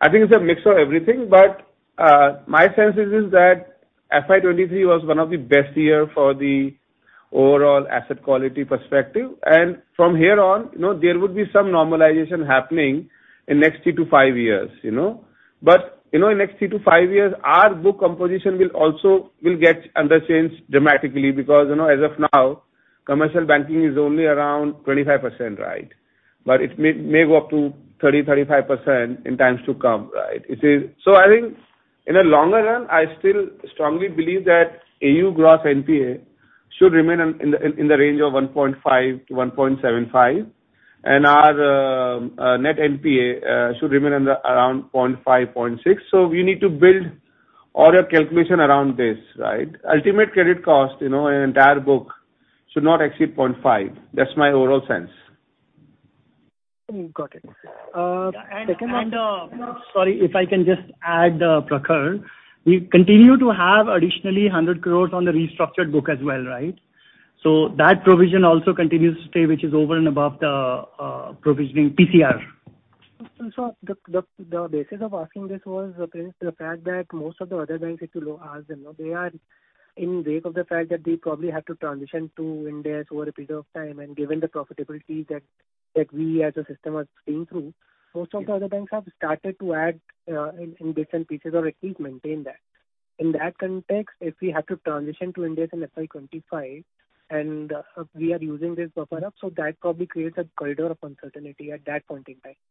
I think it's a mix of everything. My sense is that FY 23 was one of the best year for the overall asset quality perspective. From here on, you know, there would be some normalization happening in next three-five years, you know. You know, in next three-five years, our book composition will get under changed dramatically, because, you know, as of now, commercial banking is only around 25%, right? It may go up to 30%-35% in times to come, right? I think in the longer run, I still strongly believe that AU GNPA should remain in the range of 1.5%-1.75%, and our net NPA should remain around 0.5%-0.6%. We need to build all your calculation around this, right? Ultimate credit cost, you know, an entire book should not exceed 0.5%. That's my overall sense. Got it. Sorry, if I can just add, Prakhar, we continue to have additionally 100 crores on the restructured book as well, right? That provision also continues to stay, which is over and above the provisioning PCR. The basis of asking this was, Prince, the fact that most of the other banks, if you ask them, though, they are in wake of the fact that they probably have to transition to India over a period of time, and given the profitability that we as a system are seeing through, most of the other banks have started to add in bits and pieces, or at least maintain that. In that context, if we have to transition to India in FY 25, and we are using this buffer up, that probably creates a corridor of uncertainty at that point in time.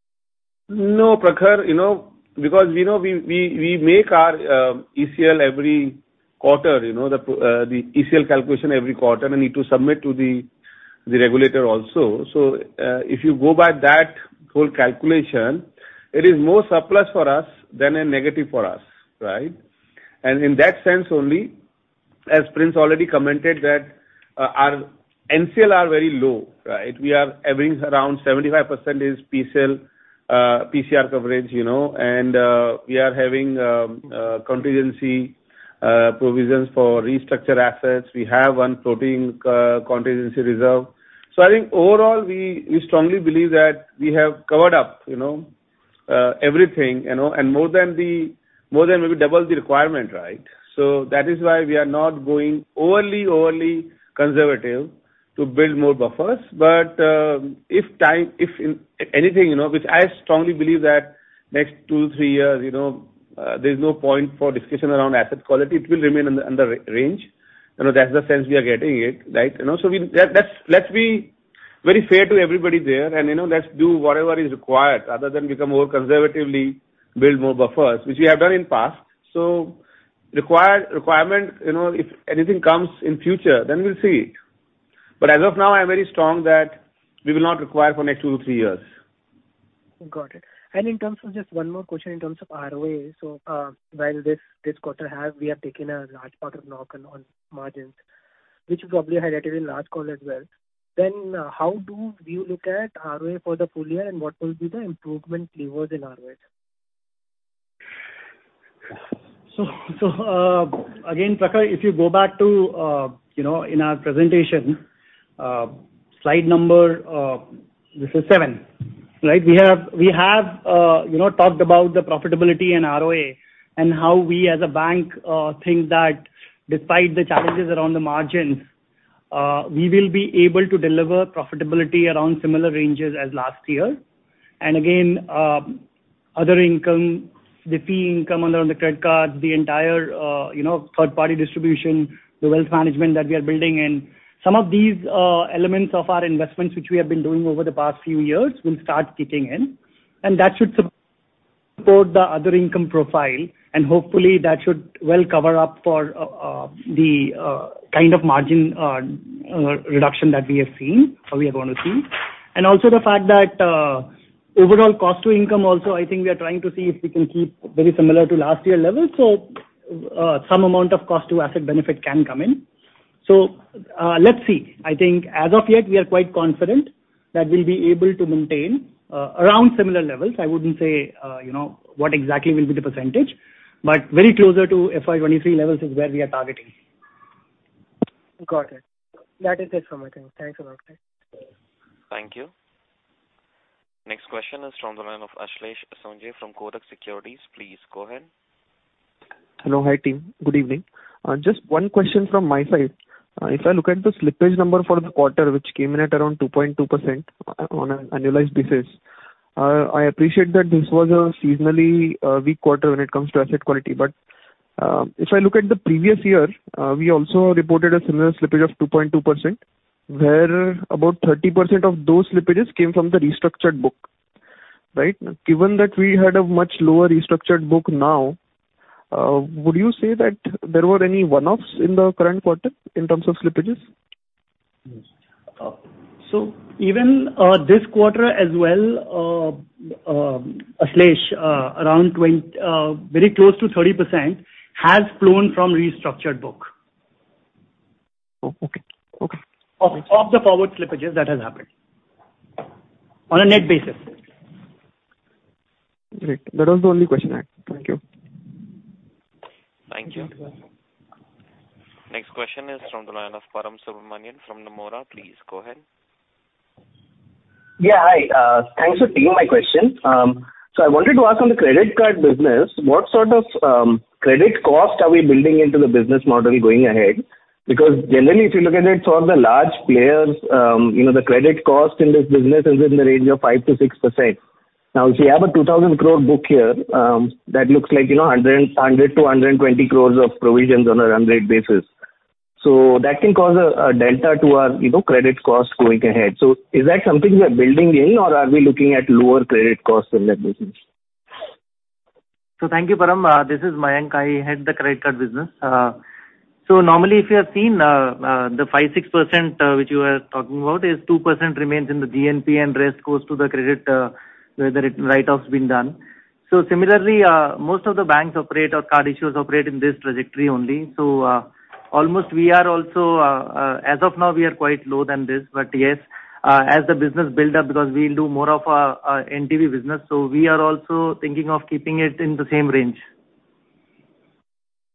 Prakhar, you know, because, you know, we, we make our ECL every quarter, you know, the ECL calculation every quarter, and need to submit to the regulator also. If you go by that whole calculation, it is more surplus for us than a negative for us, right? In that sense only, as Prince already commented, that our NCLs are very low, right? We are average around 75% is PCR coverage, you know, and we are having contingency provisions for restructure assets. We have one floating contingency reserve. I think overall, we strongly believe that we have covered up, you know, everything, you know, and more than the, more than maybe double the requirement, right? That is why we are not going overly conservative to build more buffers. If time, if in anything, you know, which I strongly believe that next two, three years, you know, there's no point for discussion around asset quality. It will remain in the range. You know, that's the sense we are getting it, right? You know, let's be very fair to everybody there and, you know, let's do whatever is required rather than become more conservatively build more buffers, which we have done in past. Requirement, you know, if anything comes in future, then we'll see. As of now, I'm very strong that we will not require for next two, three years. Got it. Just one more question in terms of ROA. While this quarter, we have taken a large part of hit on margins, which you probably highlighted in last call as well, how do you look at ROA for the full year, what will be the improvement levers in ROA? Again, Prakhar, if you go back to, you know, in our presentation, slide number, this is seven, right? We have, you know, talked about the profitability and ROA and how we as a bank think that despite the challenges around the margins, we will be able to deliver profitability around similar ranges as last year. Again, other income, the fee income under the credit card, the entire, you know, third-party distribution, the wealth management that we are building, and some of these elements of our investments, which we have been doing over the past few years, will start kicking in, and that should. support the other income profile. Hopefully that should well cover up for the kind of margin reduction that we have seen or we are going to see. Also the fact that overall cost to income also, I think we are trying to see if we can keep very similar to last year level, so some amount of cost to asset benefit can come in. Let's see. I think as of yet, we are quite confident that we'll be able to maintain around similar levels. I wouldn't say, you know, what exactly will be the percentage, but very closer to FY 2023 levels is where we are targeting. Got it. That is it from my end. Thanks a lot. Thank you. Next question is from the line of Ashlesh Sonje from Kotak Securities. Please go ahead. Hello. Hi, team. Good evening. Just one question from my side. If I look at the slippage number for the quarter, which came in at around 2.2% on an annualized basis, I appreciate that this was a seasonally weak quarter when it comes to asset quality. If I look at the previous year, we also reported a similar slippage of 2.2%, where about 30% of those slippages came from the restructured book, right? Given that we had a much lower restructured book now, would you say that there were any one-offs in the current quarter in terms of slippages? Even this quarter as well, Ashlesh, around very close to 30% has flown from restructured book. Oh, okay. Okay. Of the forward slippages that has happened, on a net basis. Great. That was the only question I had. Thank you. Thank you. Next question is from the line of Param Subrahmanian from Nomura. Please go ahead. Yeah, hi. Thanks for taking my question. I wanted to ask on the credit card business, what sort of credit cost are we building into the business model going ahead? Generally, if you look at it, for the large players, you know, the credit cost in this business is in the range of 5%-6%. If you have a 2,000 crore book here, that looks like, you know, 100 crore-120 crore of provisions on an run-rate basis. That can cause a delta to our, you know, credit cost going ahead. Is that something we are building in, or are we looking at lower credit costs in that business? Thank you, Param. This is Mayank. I head the credit card business. Normally, if you have seen, the 5%, 6%, which you are talking about, is 2% remains in the GNPA and rest goes to the credit, where the write-off has been done. Similarly, most of the banks operate or card issuers operate in this trajectory only. Almost we are also as of now, we are quite low than this, but yes, as the business build up, because we'll do more of, NTV business, we are also thinking of keeping it in the same range.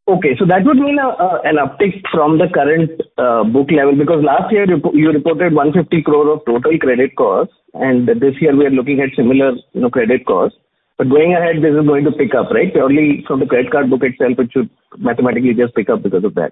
Okay. That would mean an uptick from the current book level, because last year you reported 150 crore of total credit cost, this year we are looking at similar, you know, credit costs. Going ahead, this is going to pick up, right? Purely from the credit card book itself, it should mathematically just pick up because of that.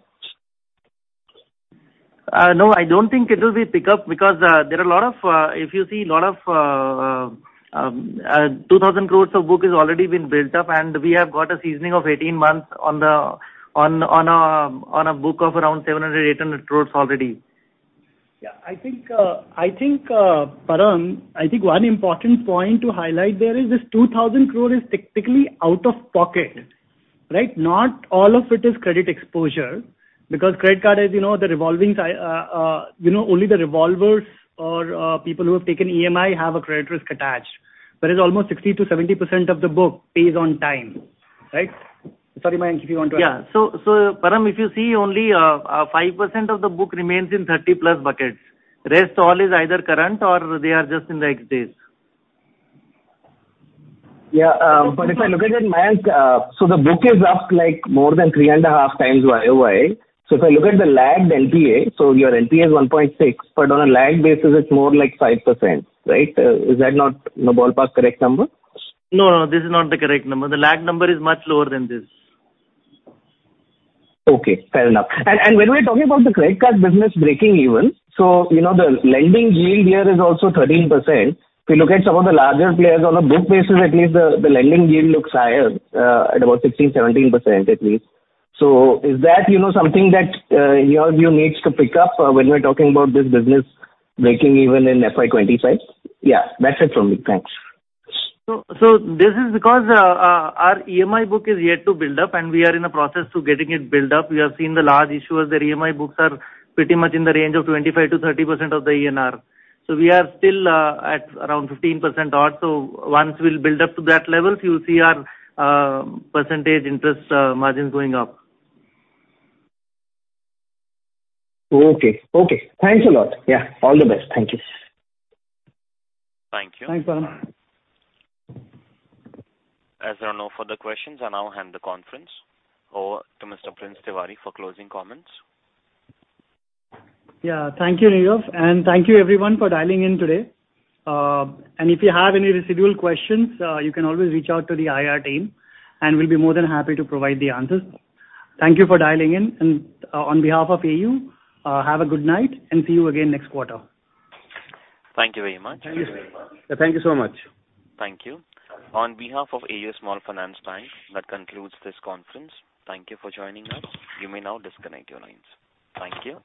No, I don't think it will be pick up because, there are a lot of, if you see, lot of, 2,000 crores of book has already been built up, and we have got a seasoning of 18 months on the, on a book of around 700-800 crores already. I think, Param, I think one important point to highlight there is this 2,000 crore is technically out of pocket, right? Not all of it is credit exposure, because credit card, as you know, the revolving, you know, only the revolvers or people who have taken EMI have a credit risk attached. is almost 60%-70% of the book pays on time, right? Sorry, Mayank, if you want to add. Yeah. Param, if you see only 5% of the book remains in 30+ buckets. Rest all is either current or they are just in the next days. Yeah, if I look at it, Mayank, the book is up, like, more than three and a half times YOY. If I look at the lagged NPA, your NPA is 1.6, on a lagged basis, it's more like 5%, right? Is that not the ballpark correct number? No, no, this is not the correct number. The lagged number is much lower than this. Okay, fair enough. When we're talking about the credit card business breaking even, you know, the lending yield here is also 13%. If you look at some of the larger players, on a book basis, at least the lending yield looks higher, at about 16%, 17%, at least. Is that, you know, something that your view needs to pick up when we're talking about this business breaking even in FY25? Yeah, that's it from me. Thanks. This is because our EMI book is yet to build up, and we are in the process to getting it built up. We have seen the large issuers, their EMI books are pretty much in the range of 25%-30% of the ENR. We are still at around 15% odd. Once we build up to that level, you'll see our percentage interest margins going up. Okay. Okay, thanks a lot. All the best. Thank you. Thank you. Thanks, Param. As there are no further questions, I now hand the conference over to Mr. Prince Tiwari for closing comments. Yeah. Thank you, Nirav, and thank you everyone for dialing in today. If you have any residual questions, you can always reach out to the IR team, and we'll be more than happy to provide the answers. Thank you for dialing in. On behalf of AU, have a good night, and see you again next quarter. Thank you very much. Thank you so much. Thank you so much. Thank you. On behalf of AU Small Finance Bank, that concludes this conference. Thank you for joining us. You may now disconnect your lines. Thank you.